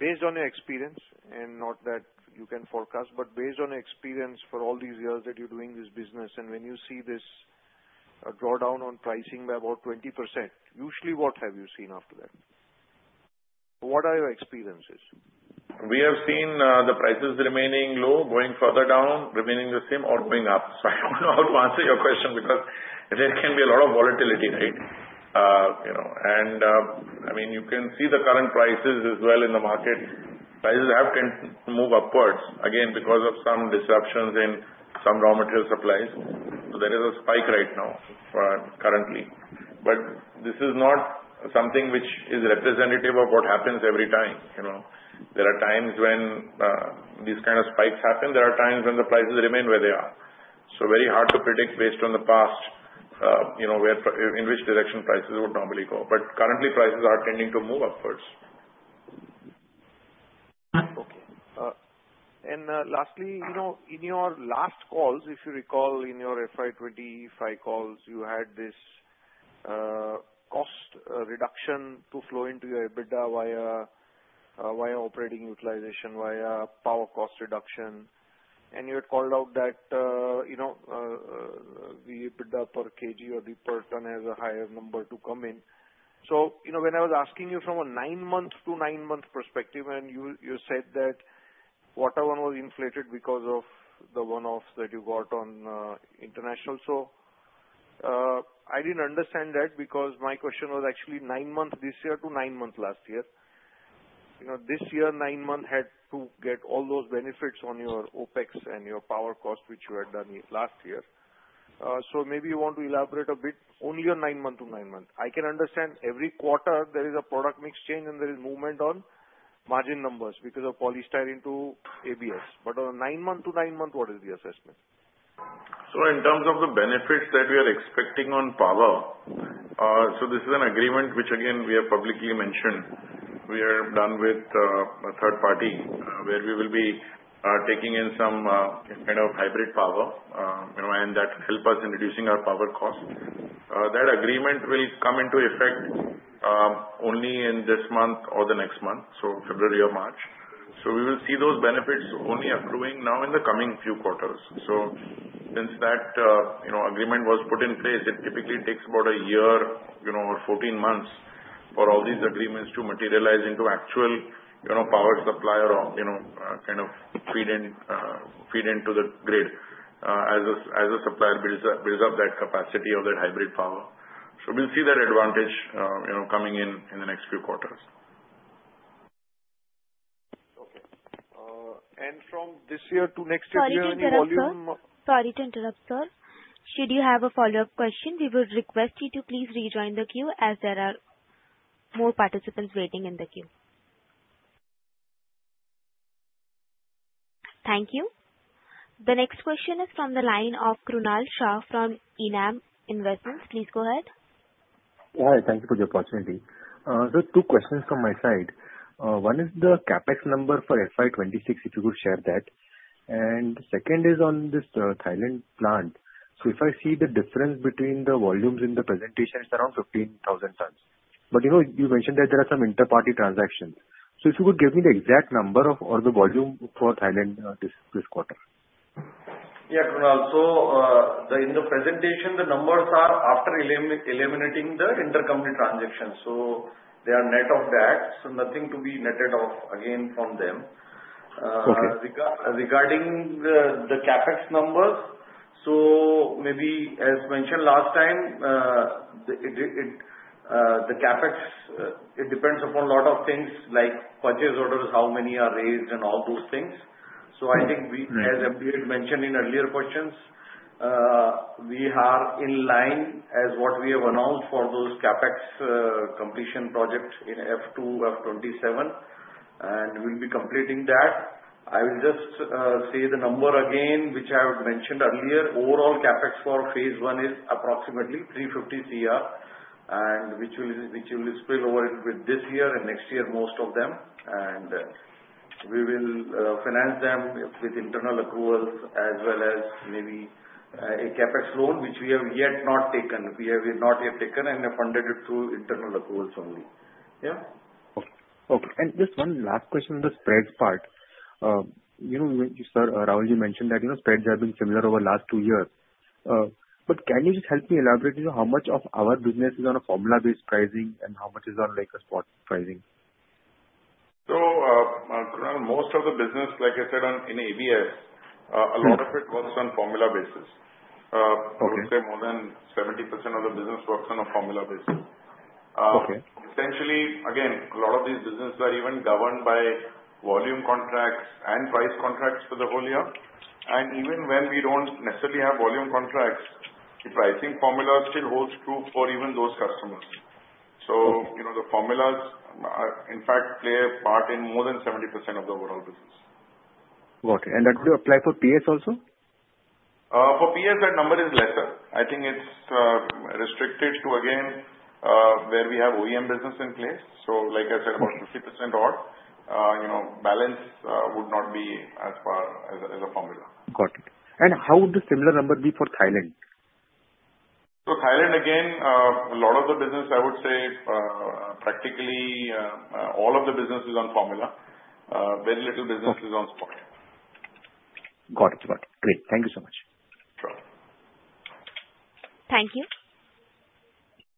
based on your experience and not that you can forecast, but based on your experience for all these years that you're doing this business, and when you see this drawdown on pricing by about 20%, usually, what have you seen after that? What are your experiences? We have seen the prices remaining low, going further down, remaining the same, or going up. So I don't know how to answer your question because there can be a lot of volatility, right? And I mean, you can see the current prices as well in the market. Prices have tended to move upwards, again, because of some disruptions in some raw material supplies. So there is a spike right now currently. But this is not something which is representative of what happens every time. There are times when these kind of spikes happen. There are times when the prices remain where they are. So very hard to predict based on the past in which direction prices would normally go. But currently, prices are tending to move upwards. Okay. Lastly, in your last calls, if you recall, in your FY 2025 calls, you had this cost reduction to flow into your EBITDA via operating utilization, via power cost reduction. You had called out that the EBITDA per kg or the per ton has a higher number to come in. When I was asking you from a nine-month-to-nine-month perspective, and you said that the one was inflated because of the one-offs that you got on international. I didn't understand that because my question was actually nine-month this year to nine-month last year. This year, nine-month had to get all those benefits on your OpEx and your power cost, which you had done last year. Maybe you want to elaborate a bit only on nine-month-to-nine-month. I can understand every quarter, there is a product mix change, and there is movement on margin numbers because of Polystyrene to ABS. But on a nine-month-to-nine-month, what is the assessment? So in terms of the benefits that we are expecting on power so this is an agreement which, again, we have publicly mentioned. We are done with a third party where we will be taking in some kind of hybrid power, and that will help us in reducing our power cost. That agreement will come into effect only in this month or the next month, so February or March. So we will see those benefits only accruing now in the coming few quarters. So since that agreement was put in place, it typically takes about a year or 14 months for all these agreements to materialize into actual power supply or kind of feed into the grid as a supplier builds up that capacity of that hybrid power. So we'll see that advantage coming in in the next few quarters. Okay. And from this year to next year during the volume. Sorry to interrupt, sir. Sorry to interrupt, sir. Should you have a follow-up question, we would request you to please rejoin the queue as there are more participants waiting in the queue. Thank you. The next question is from the line of Krunal Shah from ENAM Investments. Please go ahead. Hi. Thank you for the opportunity. So two questions from my side. One is the CapEx number for FY 2026, if you could share that. And the second is on this Thailand plant. So if I see the difference between the volumes in the presentation, it's around 15,000 tons. But you mentioned that there are some interparty transactions. So if you could give me the exact number of or the volume for Thailand this quarter. Yeah, Krunal. So in the presentation, the numbers are after eliminating the intercompany transactions. So they are net of that. So nothing to be netted off, again, from them. Regarding the CapEx numbers, so maybe as mentioned last time, the CapEx, it depends upon a lot of things like purchase orders, how many are raised, and all those things. So I think, as MD had mentioned in earlier questions, we are in line as what we have announced for those CapEx completion projects in FY 2022, FY 2027, and we'll be completing that. I will just say the number again, which I have mentioned earlier. Overall CapEx for phase one is approximately 350 crore, which we will spill over with this year and next year, most of them. And we will finance them with internal accruals as well as maybe a CapEx loan, which we have yet not taken. We have not yet taken and funded it through internal accruals only. Yeah? Okay. Just one last question on the spreads part. Sir, Rahul, you mentioned that spreads have been similar over the last two years. Can you just help me elaborate how much of our business is on a formula-based pricing and how much is on a spot pricing? So Krunal, most of the business, like I said, in ABS, a lot of it works on formula basis. I would say more than 70% of the business works on a formula basis. Essentially, again, a lot of these businesses are even governed by volume contracts and price contracts for the whole year. And even when we don't necessarily have volume contracts, the pricing formula still holds true for even those customers. So the formulas, in fact, play a part in more than 70% of the overall business. Got it. And that would apply for PS also? For PS, that number is lesser. I think it's restricted to, again, where we have OEM business in place. So like I said, about 50% odd. Balance would not be as far as a formula. Got it. And how would the similar number be for Thailand? Thailand, again, a lot of the business, I would say, practically all of the business is on formula. Very little business is on spot. Got it. Got it. Great. Thank you so much. Sure. Thank you.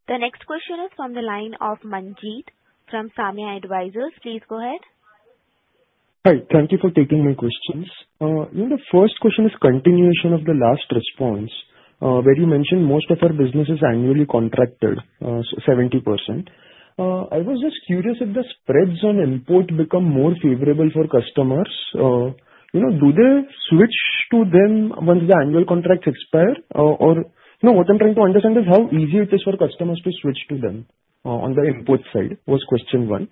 The next question is from the line of Manjeet from Solidarity Investment Managers. Please go ahead. Hi. Thank you for taking my questions. The first question is continuation of the last response where you mentioned most of our business is annually contracted, 70%. I was just curious if the spreads on import become more favorable for customers. Do they switch to them once the annual contracts expire? Or what I'm trying to understand is how easy it is for customers to switch to them on the import side, was question one.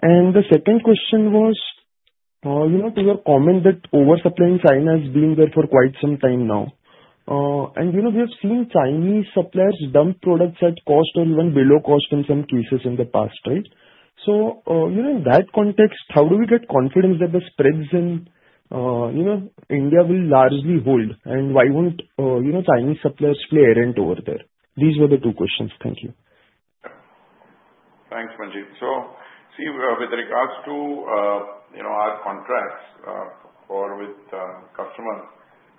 The second question was to your comment that oversupply in China has been there for quite some time now. We have seen Chinese suppliers dump products at cost or even below cost in some cases in the past, right? In that context, how do we get confidence that the spreads in India will largely hold, and why won't Chinese suppliers play errant over there? These were the two questions. Thank you. Thanks, Manjeet. So see, with regards to our contracts or with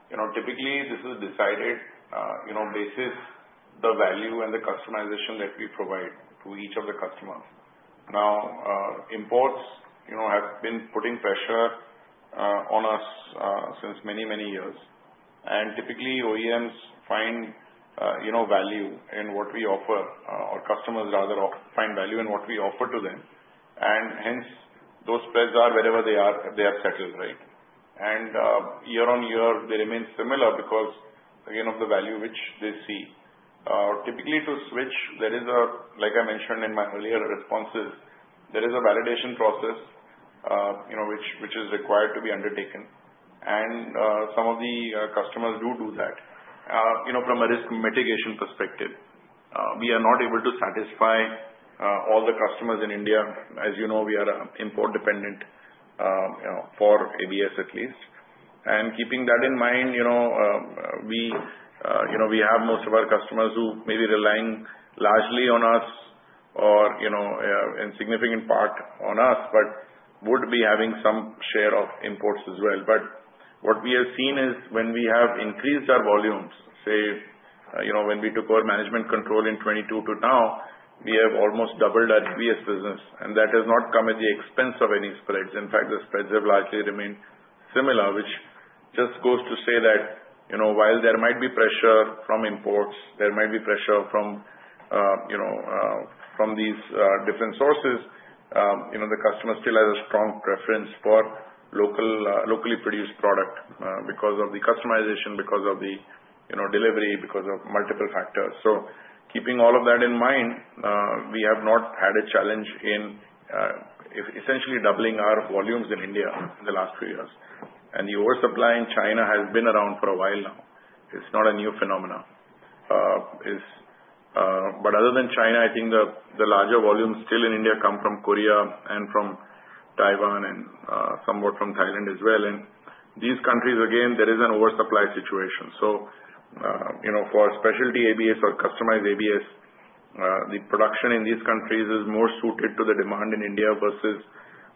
customers, typically, this is decided based on the value and the customization that we provide to each of the customers. Now, imports have been putting pressure on us since many, many years. And typically, OEMs find value in what we offer, or customers, rather, find value in what we offer to them. And hence, those spreads are wherever they are settled, right? And year-on-year, they remain similar because, again, of the value which they see. Typically, to switch, there is a, like I mentioned in my earlier responses, there is a validation process which is required to be undertaken. And some of the customers do do that from a risk mitigation perspective. We are not able to satisfy all the customers in India. As you know, we are import-dependent for ABS, at least. Keeping that in mind, we have most of our customers who may be relying largely on us or in significant part on us but would be having some share of imports as well. What we have seen is when we have increased our volumes, say, when we took over management control in 2022 to now, we have almost doubled our ABS business. That has not come at the expense of any spreads. In fact, the spreads have largely remained similar, which just goes to say that while there might be pressure from imports, there might be pressure from these different sources, the customer still has a strong preference for locally produced product because of the customization, because of the delivery, because of multiple factors. So keeping all of that in mind, we have not had a challenge in essentially doubling our volumes in India in the last few years. And the oversupply in China has been around for a while now. It's not a new phenomenon. But other than China, I think the larger volumes still in India come from Korea and from Taiwan and somewhat from Thailand as well. And these countries, again, there is an oversupply situation. So for specialty ABS or customized ABS, the production in these countries is more suited to the demand in India versus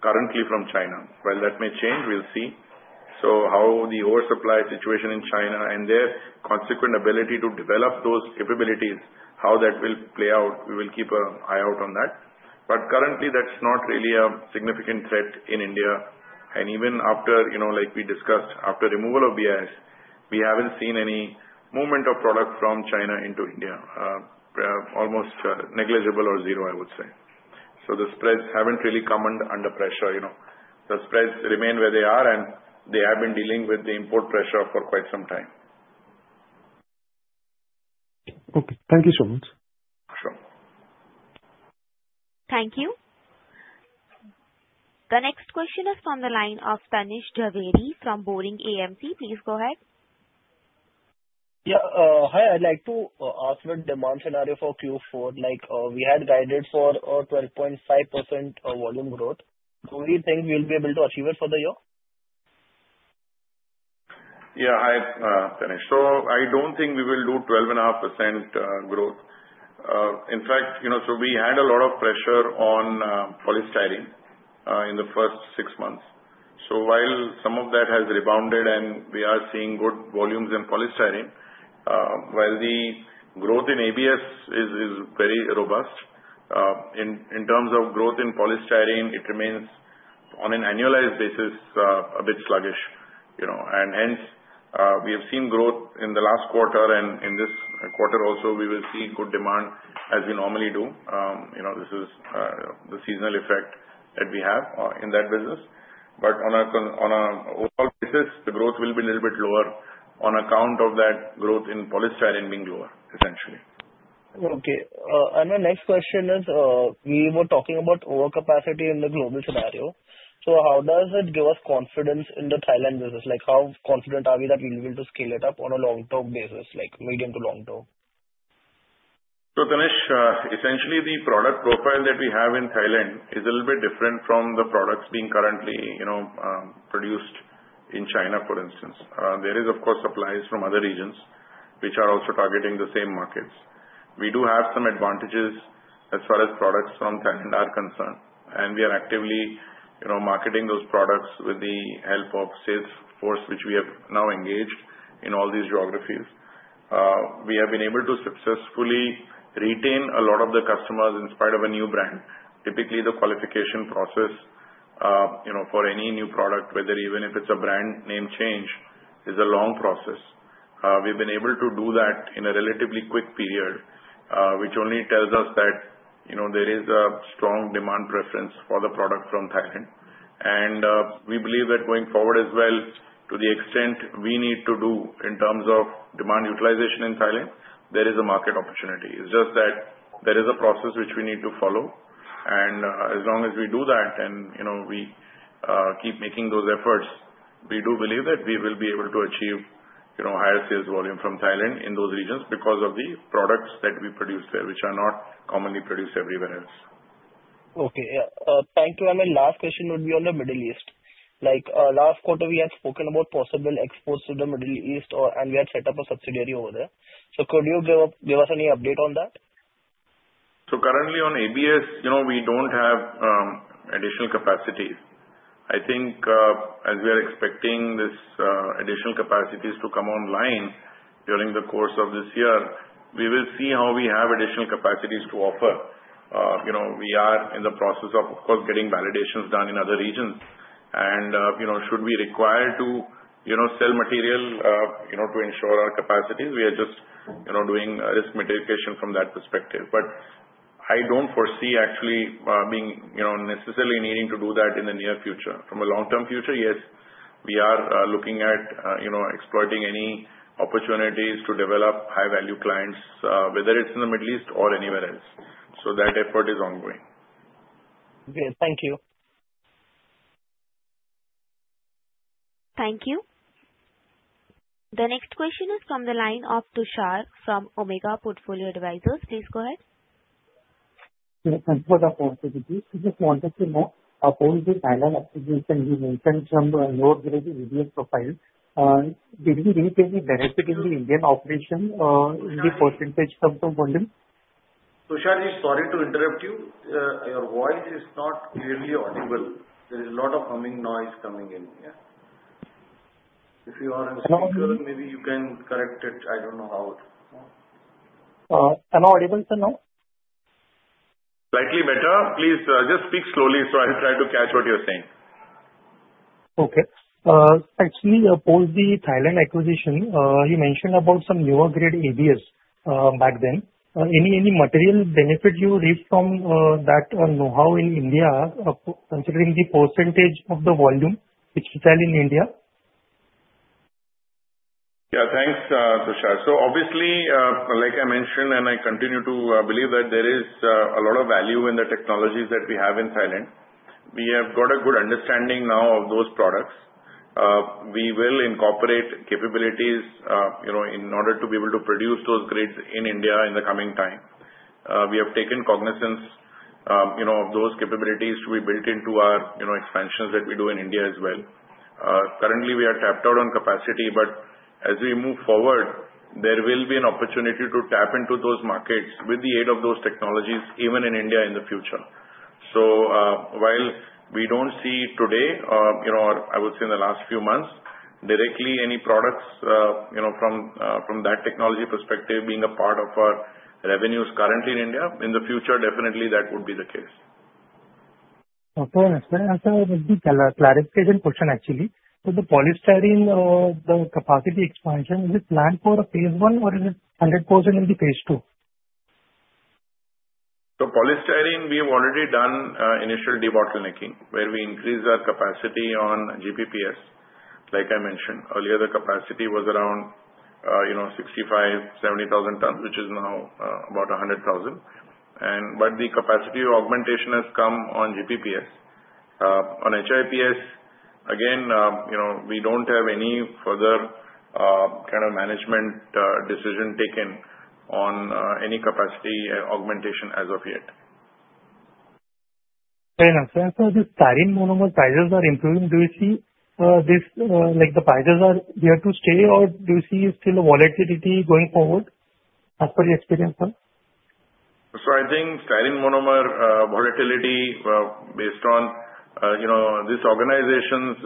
currently from China. Well, that may change. We'll see. So how the oversupply situation in China and their consequent ability to develop those capabilities, how that will play out, we will keep an eye out on that. But currently, that's not really a significant threat in India. Even after, like we discussed, after removal of BIS, we haven't seen any movement of product from China into India, almost negligible or zero, I would say. The spreads haven't really come under pressure. The spreads remain where they are, and they have been dealing with the import pressure for quite some time. Okay. Thank you so much. Sure. Thank you. The next question is from the line of Tanish Jhaveri from Boring AMC. Please go ahead. Yeah. Hi. I'd like to ask what demand scenario for Q4? We had guided for a 12.5% volume growth. Do we think we'll be able to achieve it for the year? Yeah. Hi, Tanish. So I don't think we will do 12.5% growth. In fact, so we had a lot of pressure on Polystyrene in the first six months. So while some of that has rebounded and we are seeing good volumes in Polystyrene, while the growth in ABS is very robust, in terms of growth in Polystyrene, it remains on an annualized basis a bit sluggish. And hence, we have seen growth in the last quarter. And in this quarter also, we will see good demand as we normally do. This is the seasonal effect that we have in that business. But on an overall basis, the growth will be a little bit lower on account of that growth in Polystyrene being lower, essentially. Okay. The next question is we were talking about overcapacity in the global scenario. How does it give us confidence in the Thailand business? How confident are we that we'll be able to scale it up on a long-term basis, medium to long-term? So Tanish, essentially, the product profile that we have in Thailand is a little bit different from the products being currently produced in China, for instance. There is, of course, supplies from other regions which are also targeting the same markets. We do have some advantages as far as products from Thailand are concerned. And we are actively marketing those products with the help of sales force, which we have now engaged in all these geographies. We have been able to successfully retain a lot of the customers in spite of a new brand. Typically, the qualification process for any new product, whether even if it's a brand name change, is a long process. We've been able to do that in a relatively quick period, which only tells us that there is a strong demand preference for the product from Thailand. We believe that going forward as well, to the extent we need to do in terms of demand utilization in Thailand, there is a market opportunity. It's just that there is a process which we need to follow. As long as we do that and we keep making those efforts, we do believe that we will be able to achieve higher sales volume from Thailand in those regions because of the products that we produce there, which are not commonly produced everywhere else. Okay. Yeah. Thank you. Last question would be on the Middle East. Last quarter, we had spoken about possible exports to the Middle East, and we had set up a subsidiary over there. Could you give us any update on that? So currently, on ABS, we don't have additional capacities. I think as we are expecting these additional capacities to come online during the course of this year, we will see how we have additional capacities to offer. We are in the process of, of course, getting validations done in other regions. And should we require to sell material to ensure our capacities, we are just doing risk mitigation from that perspective. But I don't foresee, actually, necessarily needing to do that in the near future. From a long-term future, yes, we are looking at exploiting any opportunities to develop high-value clients, whether it's in the Middle East or anywhere else. So that effort is ongoing. Great. Thank you. Thank you. The next question is from the line of Tushar from Omega Portfolio Advisors. Please go ahead. Yes. First of all, just wanted to know, post the Thailand acquisition, you mentioned some low-grade ABS profile. Did we really get any benefit in the Indian operation in the percentage terms of volume? Tushar ji, sorry to interrupt you. Your voice is not clearly audible. There is a lot of humming noise coming in. Yeah. If you are on speaker, maybe you can correct it. I don't know how. Am I audible, sir? No? Slightly better. Please just speak slowly so I'll try to catch what you're saying. Okay. Actually, opposed to the Thailand acquisition, you mentioned about some newer-grade ABS back then. Any material benefit you reap from that know-how in India, considering the percentage of the volume which you sell in India? Yeah. Thanks, Tushar. So obviously, like I mentioned, and I continue to believe that there is a lot of value in the technologies that we have in Thailand. We have got a good understanding now of those products. We will incorporate capabilities in order to be able to produce those grades in India in the coming time. We have taken cognizance of those capabilities to be built into our expansions that we do in India as well. Currently, we are tapped out on capacity. But as we move forward, there will be an opportunity to tap into those markets with the aid of those technologies even in India in the future. While we don't see today or, I would say, in the last few months, directly any products from that technology perspective being a part of our revenues currently in India, in the future, definitely, that would be the case. Of course. And so it would be a clarification question, actually. So the Polystyrene, the capacity expansion, is it planned for a phase one, or is it 100% in the phase two? Polystyrene, we have already done initial debottlenecking where we increased our capacity on GPPS. Like I mentioned earlier, the capacity was around 65,000-70,000 tons, which is now about 100,000. But the capacity augmentation has come on GPPS. On HIPS, again, we don't have any further kind of management decision taken on any capacity augmentation as of yet. Fair enough. The styrene monomer prices are improving. Do you see the prices are there to stay, or do you see still volatility going forward as per your experience, sir? So I think Styrene Monomer volatility based on this organization's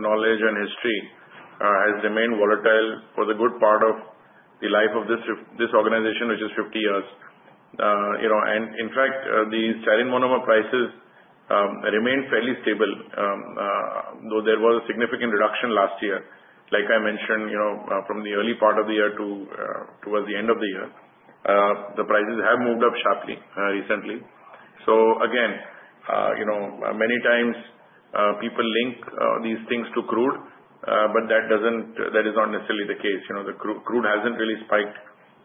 knowledge and history has remained volatile for a good part of the life of this organization, which is 50 years. In fact, the Styrene Monomer prices remain fairly stable, though there was a significant reduction last year. Like I mentioned, from the early part of the year towards the end of the year, the prices have moved up sharply recently. Again, many times, people link these things to crude, but that is not necessarily the case. The crude hasn't really spiked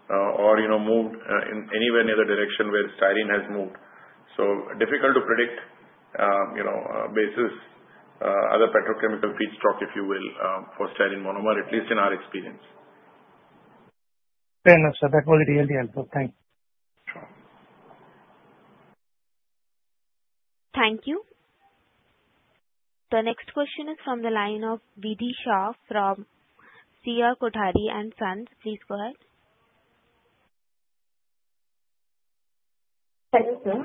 or moved in anywhere near the direction where styrene has moved. So difficult to predict basis, other petrochemical feedstock, if you will, for Styrene Monomer, at least in our experience. Fair enough, sir. That was really helpful. Thanks. Sure. Thank you. The next question is from the line of Mitesh Shah from C.R. Kothari & Sons. Please go ahead. Hello, sir.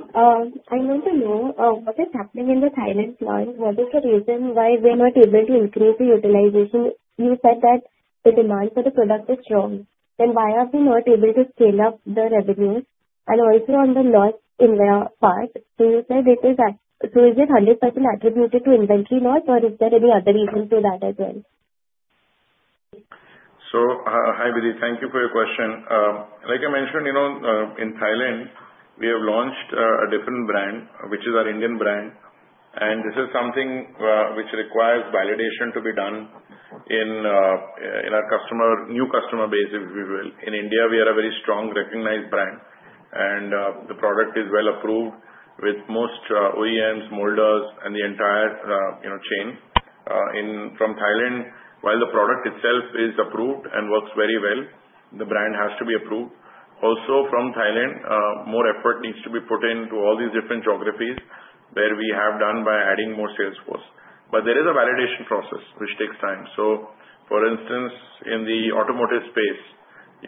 I want to know, what is happening in the Thailand plant? What is the reason why we're not able to increase the utilization? You said that the demand for the product is strong. Then why are we not able to scale up the revenues? And also on the loss in their part, so you said it is so is it 100% attributed to inventory loss, or is there any other reason to that as well? So hi, Mitesh Thank you for your question. Like I mentioned, in Thailand, we have launched a different brand, which is our Indian brand. And this is something which requires validation to be done in our new customer base, if you will. In India, we are a very strong recognized brand. And the product is well approved with most OEMs, molders, and the entire chain. From Thailand, while the product itself is approved and works very well, the brand has to be approved. Also, from Thailand, more effort needs to be put into all these different geographies where we have done by adding more salesforce. But there is a validation process which takes time. So for instance, in the automotive space,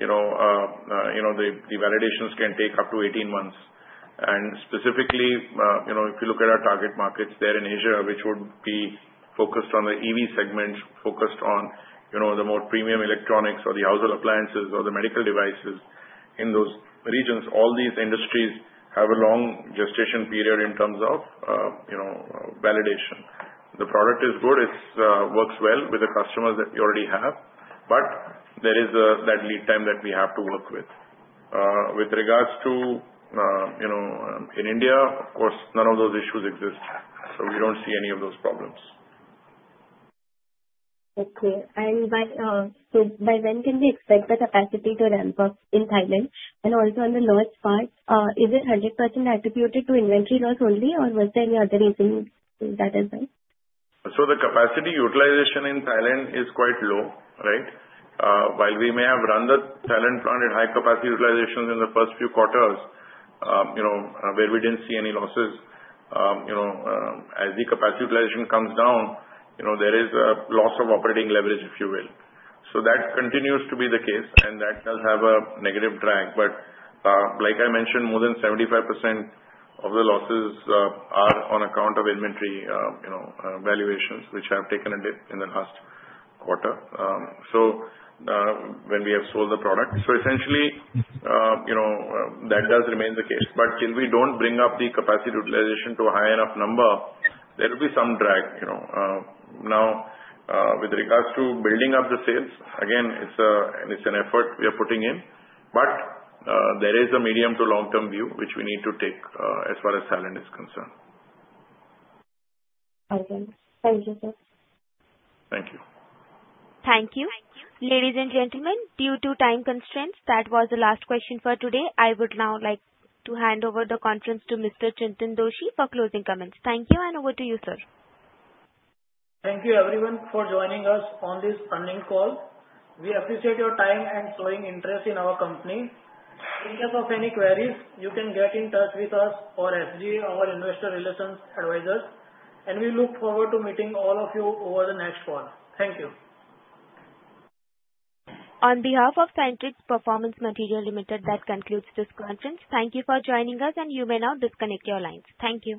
the validations can take up to 18 months. And specifically, if you look at our target markets there in Asia, which would be focused on the EV segment, focused on the more premium electronics or the household appliances or the medical devices in those regions, all these industries have a long gestation period in terms of validation. The product is good. It works well with the customers that you already have. But there is that lead time that we have to work with. With regards to in India, of course, none of those issues exist. So we don't see any of those problems. Okay. And so by when can we expect the capacity to ramp up in Thailand? And also on the loss part, is it 100% attributed to inventory loss only, or was there any other reason that has been? So the capacity utilization in Thailand is quite low, right? While we may have run the Thailand plant at high capacity utilizations in the first few quarters where we didn't see any losses, as the capacity utilization comes down, there is a loss of operating leverage, if you will. So that continues to be the case, and that does have a negative drag. But like I mentioned, more than 75% of the losses are on account of inventory valuations, which have taken a dip in the last quarter when we have sold the product. So essentially, that does remain the case. But till we don't bring up the capacity utilization to a high enough number, there will be some drag. Now, with regards to building up the sales, again, it's an effort we are putting in. But there is a medium to long-term view which we need to take as far as Thailand is concerned. All right. Thank you, sir. Thank you. Thank you. Ladies and gentlemen, due to time constraints, that was the last question for today. I would now like to hand over the conference to Mr. Chintan Doshi for closing comments. Thank you, and over to you, sir. Thank you, everyone, for joining us on this earnings call. We appreciate your time and showing interest in our company. In case of any queries, you can get in touch with us or SGA, our investor relations advisors. We look forward to meeting all of you over the next call. Thank you. On behalf of Styrenix Performance Materials Limited, that concludes this conference. Thank you for joining us, and you may now disconnect your lines. Thank you.